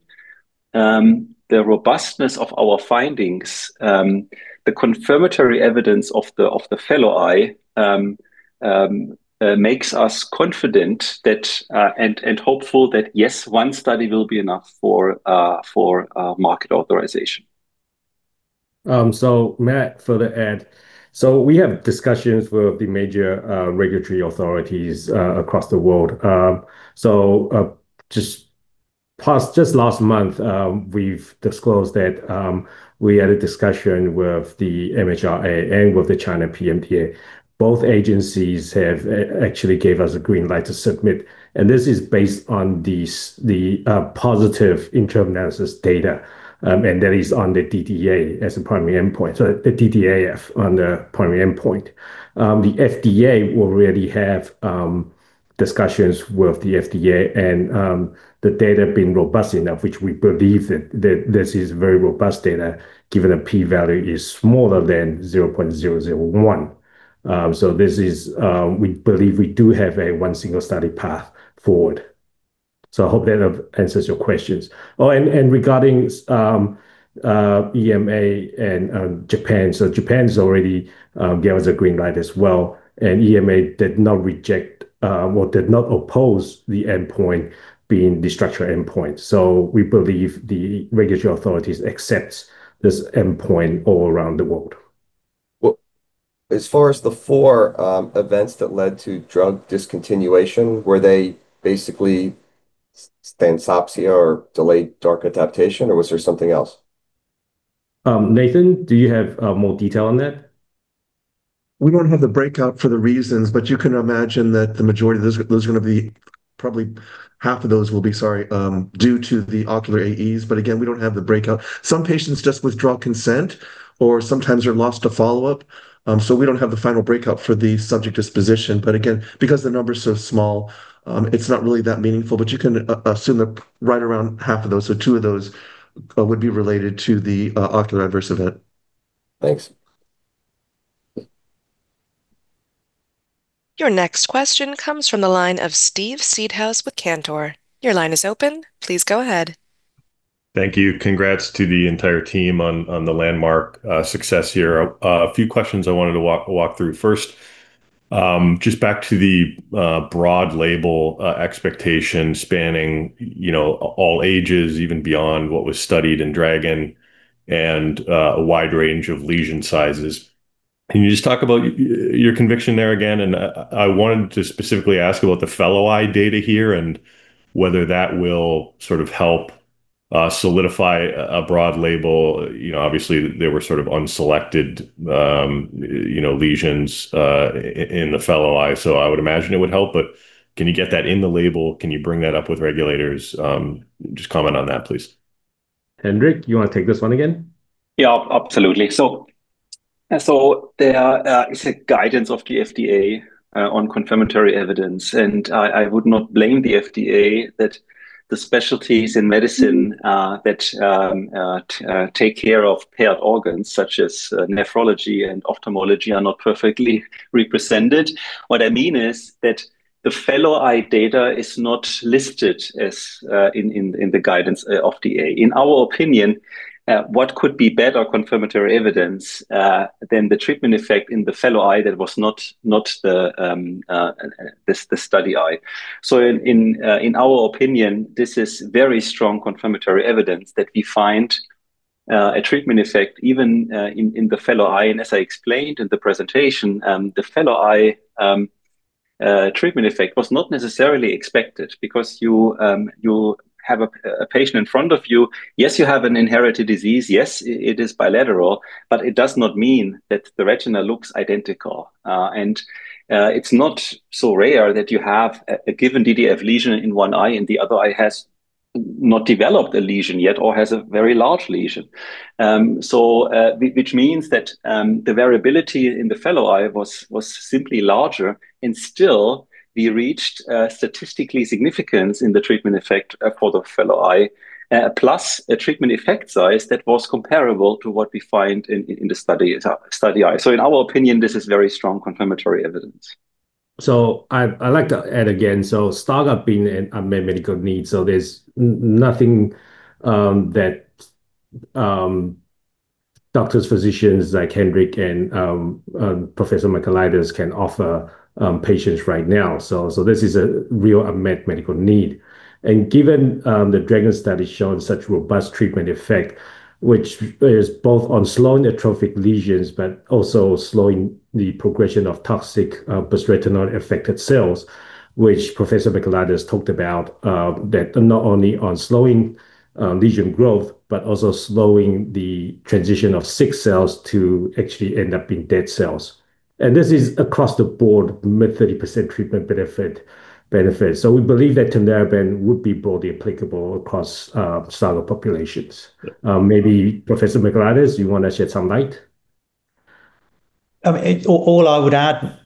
the robustness of our findings, the confirmatory evidence of the fellow eye makes us confident and hopeful that, yes, one study will be enough for market authorization. Might further add. We have discussions with the major regulatory authorities across the world. Just last month, we've disclosed that we had a discussion with the MHRA and with the China NMPA. Both agencies have actually given us a green light to submit. This is based on the positive internal analysis data, and that is on the DDAF as the primary endpoint. The FDA will really have discussions with the FDA and the data being robust enough, which we believe that this is very robust data given the p-value is smaller than 0.001. We believe we do have a one single study path forward. I hope that answers your questions. Oh, and regarding EMA and Japan, Japan has already given us a green light as well. EMA did not reject or did not oppose the endpoint being destructive endpoint. We believe the regulatory authorities accept this endpoint all around the world. As far as the four events that led to drug discontinuation, were they basically xanthopsia or delayed dark adaptation, or was there something else? Nathan, do you have more detail on that? We do not have the breakout for the reasons, but you can imagine that the majority of those are going to be probably half of those will be, sorry, due to the ocular AEs. Again, we do not have the breakout. Some patients just withdraw consent or sometimes are lost to follow-up. We do not have the final breakout for the subject disposition. Again, because the number is so small, it is not really that meaningful. You can assume that right around half of those, so two of those would be related to the ocular adverse event. Thanks. Your next question comes from the line of Steve Seedhouse with Cantor. Your line is open. Please go ahead. Thank you. Congrats to the entire team on the landmark success here. A few questions I wanted to walk through first. Just back to the broad label expectation spanning all ages, even beyond what was studied in DRAGON and a wide range of lesion sizes. Can you just talk about your conviction there again? I wanted to specifically ask about the fellow eye data here and whether that will sort of help solidify a broad label. Obviously, there were sort of unselected lesions in the fellow eye. I would imagine it would help. Can you get that in the label? Can you bring that up with regulators? Just comment on that, please. Hendrik, you want to take this one again? Yeah, absolutely. There is a guidance of the FDA on confirmatory evidence. I would not blame the FDA that the specialties in medicine that take care of paired organs such as nephrology and ophthalmology are not perfectly represented. What I mean is that the fellow eye data is not listed in the guidance of the FDA. In our opinion, what could be better confirmatory evidence than the treatment effect in the fellow eye that was not the study eye? In our opinion, this is very strong confirmatory evidence that we find a treatment effect even in the fellow eye. As I explained in the presentation, the fellow eye treatment effect was not necessarily expected because you have a patient in front of you. Yes, you have an inherited disease. Yes, it is bilateral, but it does not mean that the retina looks identical. It is not so rare that you have a given DDAF lesion in one eye and the other eye has not developed a lesion yet or has a very large lesion, which means that the variability in the fellow eye was simply larger. Still, we reached statistical significance in the treatment effect for the fellow eye, plus a treatment effect size that was comparable to what we find in the study eye. In our opinion, this is very strong confirmatory evidence. I would like to add again, Stargardt being a medical need, there is nothing that doctors, physicians like Hendrik and Professor Michaelides can offer patients right now. This is a real unmet medical need. Given the DRAGON Study showing such robust treatment effect, which is both on slowing atrophic lesions, but also slowing the progression of toxic bisretinoid-affected cells, which Professor Michaelides talked about, that not only on slowing lesion growth, but also slowing the transition of sick cells to actually end up being dead cells. This is across the board, mid-30% treatment benefit. We believe that Tinlarebant would be broadly applicable across silo populations. Maybe Professor Michaelides, you want to shed some light? All I would add,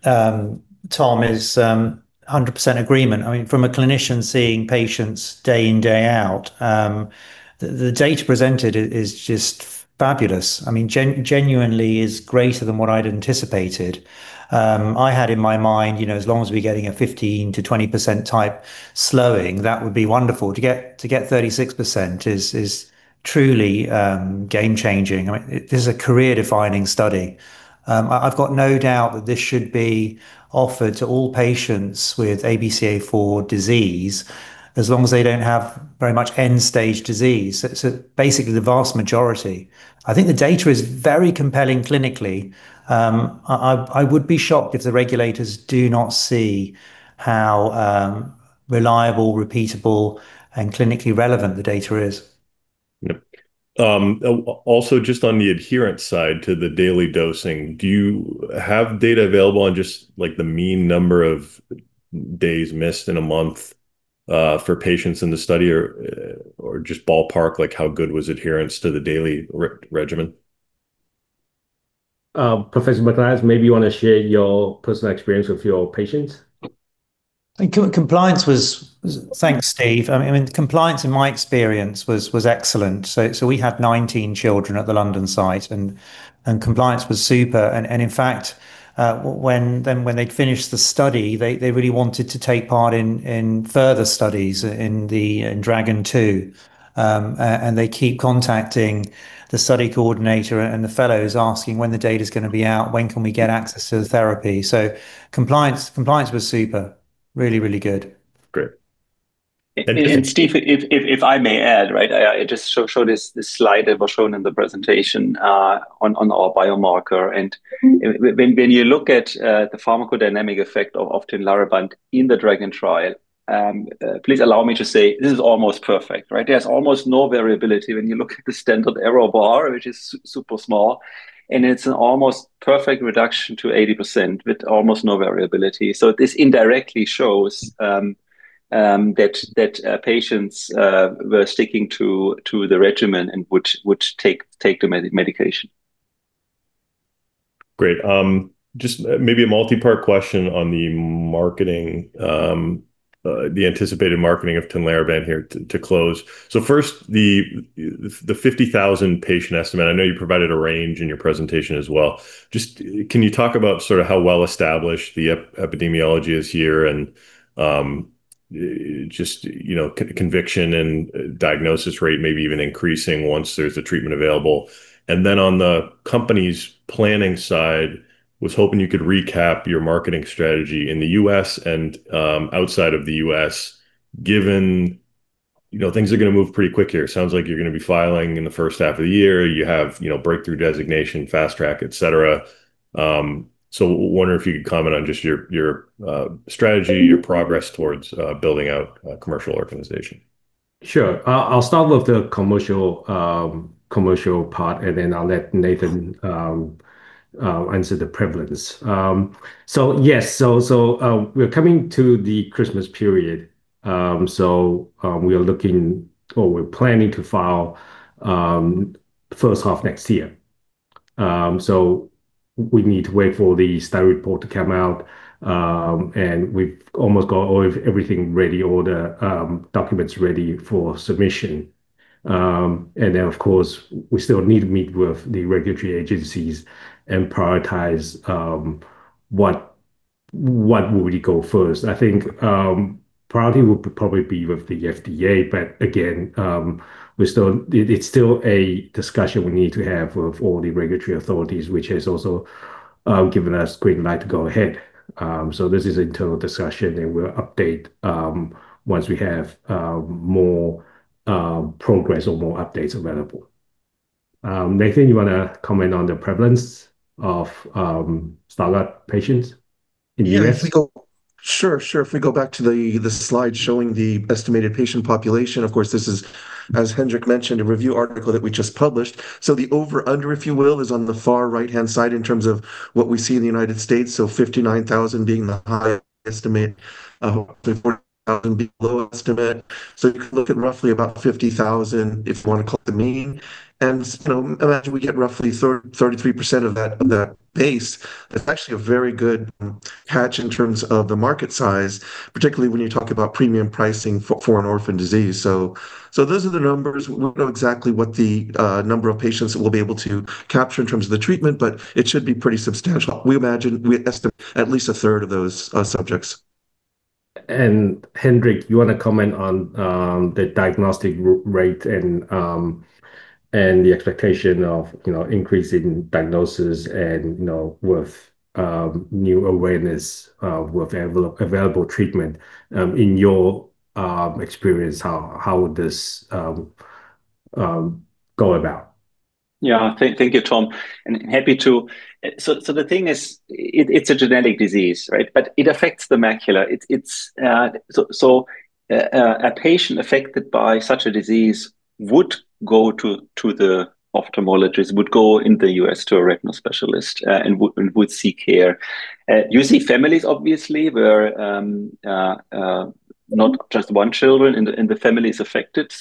Tom, is 100% agreement. I mean, from a clinician seeing patients day in, day out, the data presented is just fabulous. I mean, genuinely, it is greater than what I'd anticipated. I had in my mind, as long as we're getting a 15%-20% type slowing, that would be wonderful. To get 36% is truly game-changing. This is a career-defining study. I've got no doubt that this should be offered to all patients with ABCA4 disease as long as they don't have very much end-stage disease. Basically, the vast majority. I think the data is very compelling clinically. I would be shocked if the regulators do not see how reliable, repeatable, and clinically relevant the data is. Also, just on the adherence side to the daily dosing, do you have data available on just the mean number of days missed in a month for patients in the study or just ballpark how good was adherence to the daily regimen? Professor Michaelides, maybe you want to share your personal experience with your patients? Compliance was—thanks, Steve. I mean, compliance, in my experience, was excellent. We had 19 children at the London site, and compliance was super. In fact, when they finished the study, they really wanted to take part in further studies in DRAGON 2. They keep contacting the study coordinator and the fellows asking, "When the data is going to be out? When can we get access to the therapy?" Compliance was super. Really, really good. Great. Steve, if I may add, right, I just showed this slide that was shown in the presentation on our biomarker. When you look at the pharmacodynamic effect of Tinlarebant in the DRAGON trial, please allow me to say this is almost perfect, right? There is almost no variability when you look at the standard error bar, which is super small. It is an almost perfect reduction to 80% with almost no variability. This indirectly shows that patients were sticking to the regimen and would take the medication. Great. Just maybe a multi-part question on the anticipated marketing of Tinlarebant here to close. First, the 50,000 patient estimate, I know you provided a range in your presentation as well. Can you talk about sort of how well established the epidemiology is here and just conviction and diagnosis rate maybe even increasing once there is a treatment available? On the company's planning side, was hoping you could recap your marketing strategy in the U.S. and outside of the U.S., given things are going to move pretty quick here. It sounds like you're going to be filing in the first half of the year. You have breakthrough designation, fast track, etc. Wonder if you could comment on just your strategy, your progress towards building out a commercial organization. Sure. I'll start with the commercial part, and then I'll let Nathan answer the prevalence. Yes, we're coming to the Christmas period. We are looking or we're planning to file first half next year. We need to wait for the study report to come out. We've almost got everything ready, all the documents ready for submission. Of course, we still need to meet with the regulatory agencies and prioritize what will we go first. I think priority will probably be with the FDA. Again, it's still a discussion we need to have with all the regulatory authorities, which has also given us green light to go ahead. This is an internal discussion, and we'll update once we have more progress or more updates available. Nathan, you want to comment on the prevalence of Stargardt patients in the U.S.? Yeah, if we go—sure, sure. If we go back to the slide showing the estimated patient population, of course, this is, as Hendrik mentioned, a review article that we just published. The over/under, if you will, is on the far right-hand side in terms of what we see in the United States. $59,000 being the high estimate, $40,000 being the low estimate. You can look at roughly about 50,000 if you want to call it the mean. Imagine we get roughly 33% of that base. That's actually a very good catch in terms of the market size, particularly when you talk about premium pricing for an orphan disease. Those are the numbers. We don't know exactly what the number of patients that we'll be able to capture in terms of the treatment, but it should be pretty substantial. We estimate at least 1/3 of those subjects. Hendrik, you want to comment on the diagnostic rate and the expectation of increasing diagnosis and with new awareness with available treatment. In your experience, how would this go about? Thank you, Tom. Happy to—the thing is, it's a genetic disease, right? It affects the macula. A patient affected by such a disease would go to the ophthalmologist, would go in the U.S. to a retinal specialist, and would seek care. You see families, obviously, where not just one child in the family is affected.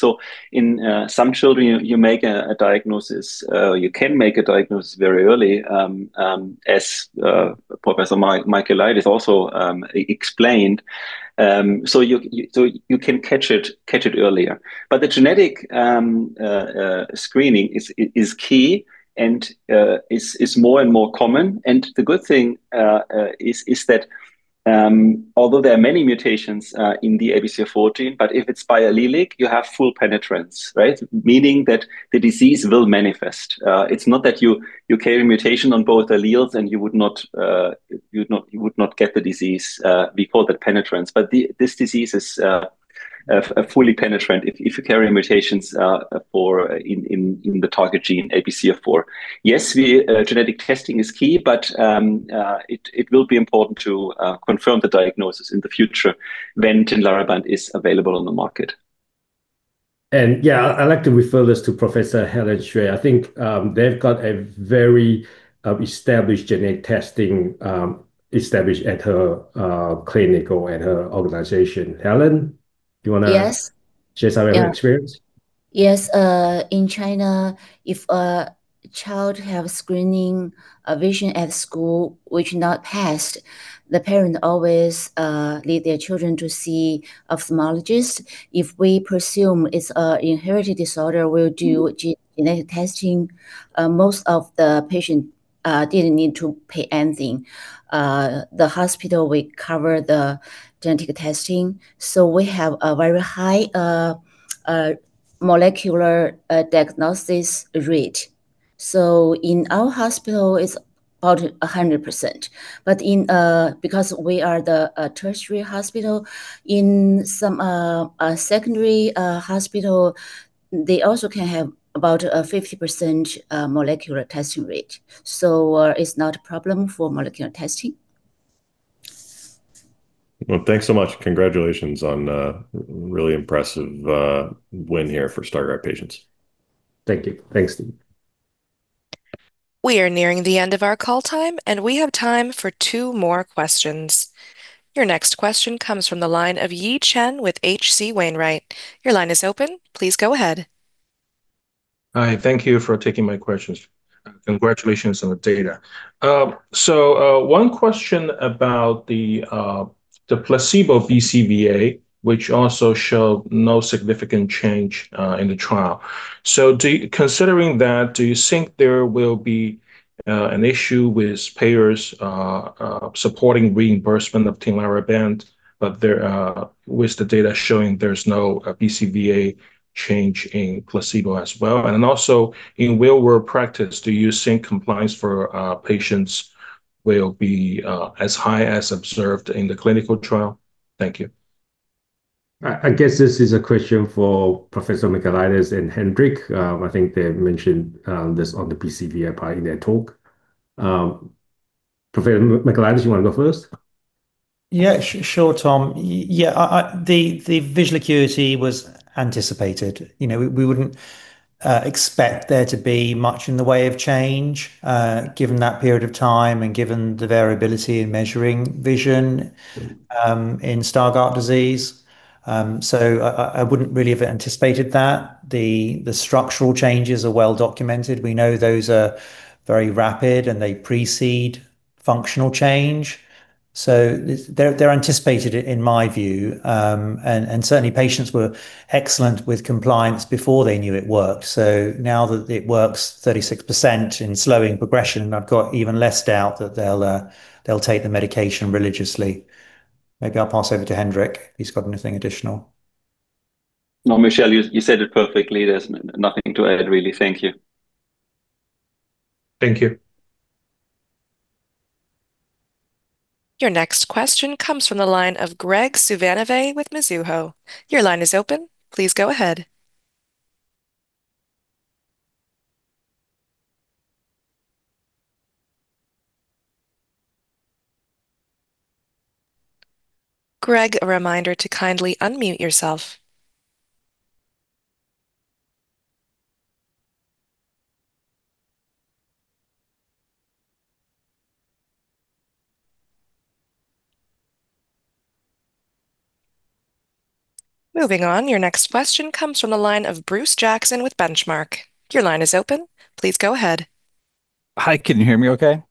In some children, you make a diagnosis; you can make a diagnosis very early, as Professor Michaelides also explained. You can catch it earlier. The genetic screening is key and is more and more common. The good thing is that although there are many mutations in the ABCA4 gene, if it's biallelic, you have full penetrance, right? Meaning that the disease will manifest. It's not that you carry a mutation on both alleles and you would not get the disease. We call that penetrance. This disease is fully penetrant if you carry mutations in the target gene, ABCA4. Yes, genetic testing is key, but it will be important to confirm the diagnosis in the future when Tinlarebant is available on the market. Yeah, I'd like to refer this to Professor Helen Sui. I think they've got a very established genetic testing established at her clinic or at her organization. Helen, do you want to— Yes. Share some of your experience? Yes. In China, if a child has screening a vision at school, which not passed, the parent always leads their children to see an ophthalmologist. If we presume it's an inherited disorder, we'll do genetic testing. Most of the patients didn't need to pay anything. The hospital will cover the genetic testing. We have a very high molecular diagnosis rate. In our hospital, it's about 100%. Because we are the tertiary hospital, in some secondary hospitals, they also can have about a 50% molecular testing rate. It is not a problem for molecular testing. Thanks so much. Congratulations on a really impressive win here for Stargardt patients. Thank you. Thanks, Steve. We are nearing the end of our call time, and we have time for two more questions. Your next question comes from the line of Yi Chen with H.C. Wainwright. Your line is open. Please go ahead. Hi. Thank you for taking my questions. Congratulations on the data. One question about the placebo BCVA, which also showed no significant change in the trial. Considering that, do you think there will be an issue with payers supporting reimbursement of Tinlarebant with the data showing there is no BCVA change in placebo as well? Also, in real-world practice, do you think compliance for patients will be as high as observed in the clinical trial? Thank you. I guess this is a question for Professor Michaelides and Hendrik. I think they mentioned this on the BCVA part in their talk. Professor Michaelides, you want to go first? Yeah, sure, Tom. Yeah, the visual acuity was anticipated. We would not expect there to be much in the way of change given that period of time and given the variability in measuring vision in Stargardt disease. I would not really have anticipated that. The structural changes are well documented. We know those are very rapid, and they precede functional change. They are anticipated, in my view. Certainly, patients were excellent with compliance before they knew it worked. Now that it works 36% in slowing progression, I've got even less doubt that they'll take the medication religiously. Maybe I'll pass over to Hendrik if he's got anything additional. No, Michelle, you said it perfectly. There's nothing to add, really. Thank you. Thank you. Your next question comes from the line of Greg Suvannavejh with Mizuho. Your line is open. Please go ahead. Greg, a reminder to kindly unmute yourself. Moving on, your next question comes from the line of Bruce Jackson with Benchmark. Your line is open. Please go ahead. Hi, can you hear me okay?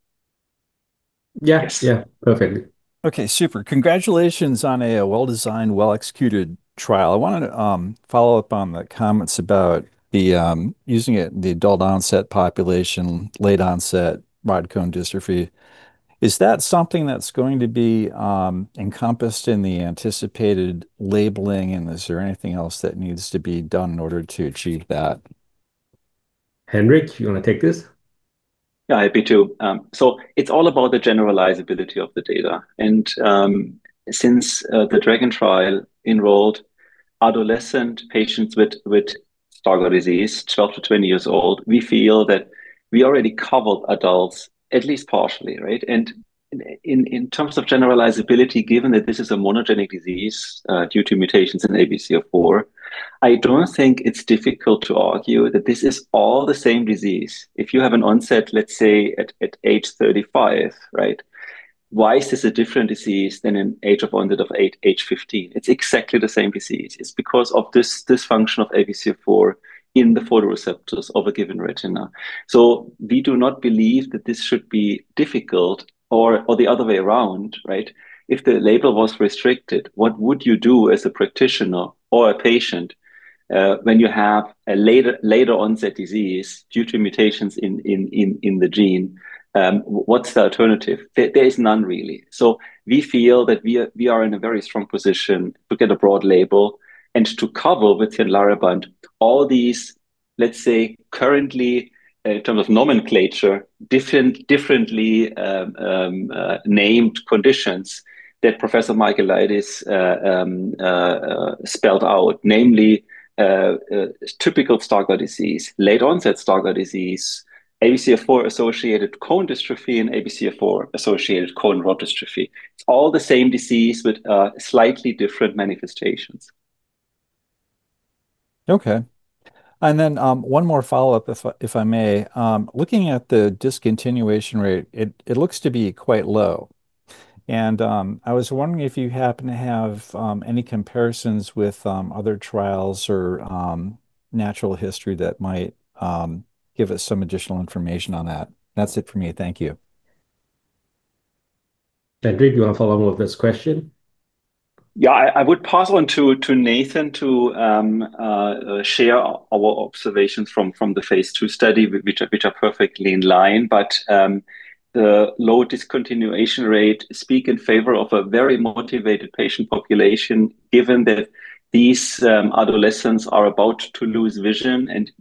Yes. Yeah, perfect. Okay, super. Congratulations on a well-designed, well-executed trial. I want to follow up on the comments about using it in the adult onset population, late onset mitochondrial dystrophy. Is that something that's going to be encompassed in the anticipated labeling, and is there anything else that needs to be done in order to achieve that? Hendrik, you want to take this? Yeah, happy to. It's all about the generalizability of the data. Since the DRAGON trial involved adolescent patients with Stargardt disease, 12-20 years old, we feel that we already covered adults, at least partially, right? In terms of generalizability, given that this is a monogenic disease due to mutations in ABCA4, I don't think it's difficult to argue that this is all the same disease. If you have an onset, let's say, at age 35, right, why is this a different disease than in age of 1-8, age 15? It's exactly the same disease. It's because of this dysfunction of ABCA4 in the photoreceptors of a given retina. We do not believe that this should be difficult or the other way around, right? If the label was restricted, what would you do as a practitioner or a patient when you have a later onset disease due to mutations in the gene? What's the alternative? There is none, really. We feel that we are in a very strong position to get a broad label and to cover with Tinlarebant all these, let's say, currently, in terms of nomenclature, differently named conditions that Professor Michaelides spelled out, namely typical Stargardt disease, late onset Stargardt disease, ABCA4-associated cone dystrophy, and ABCA4-associated cone rod dystrophy. It's all the same disease with slightly different manifestations. Okay. One more follow-up, if I may. Looking at the discontinuation rate, it looks to be quite low. I was wondering if you happen to have any comparisons with other trials or natural history that might give us some additional information on that. That's it for me. Thank you. Hendrik, do you want to follow along with this question? Yeah, I would pass on to Nathan to share our observations from the phase II study, which are perfectly in line. The low discontinuation rate speaks in favor of a very motivated patient population, given that these adolescents are about to lose vision, and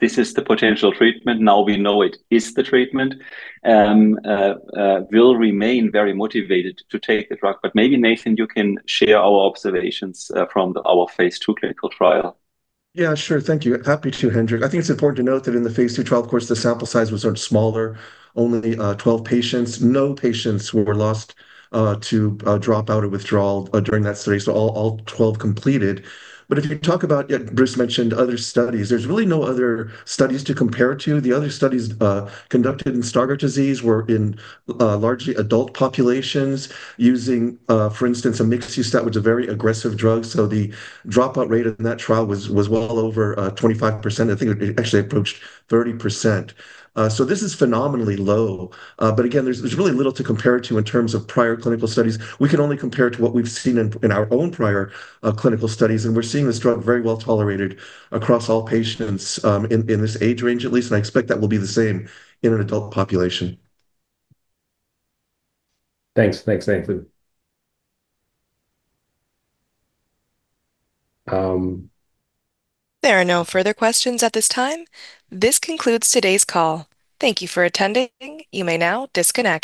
this is the potential treatment. Now we know it is the treatment, will remain very motivated to take the drug. Maybe, Nathan, you can share our observations from our phase II clinical trial. Yeah, sure. Thank you. Happy to, Hendrik. I think it's important to note that in the phase II trial, of course, the sample size was much smaller, only 12 patients. No patients were lost to dropout or withdrawal during that study. All 12 completed. If you talk about, yeah, Bruce mentioned other studies, there's really no other studies to compare to. The other studies conducted in Stargardt disease were in largely adult populations using, for instance, a mixed use that was a very aggressive drug. The dropout rate in that trial was well over 25%. I think it actually approached 30%. This is phenomenally low. There is really little to compare to in terms of prior clinical studies. We can only compare to what we've seen in our own prior clinical studies. We're seeing this drug very well tolerated across all patients in this age range, at least. I expect that will be the same in an adult population. Thanks. Thanks, Nathan. There are no further questions at this time. This concludes today's call. Thank you for attending. You may now disconnect.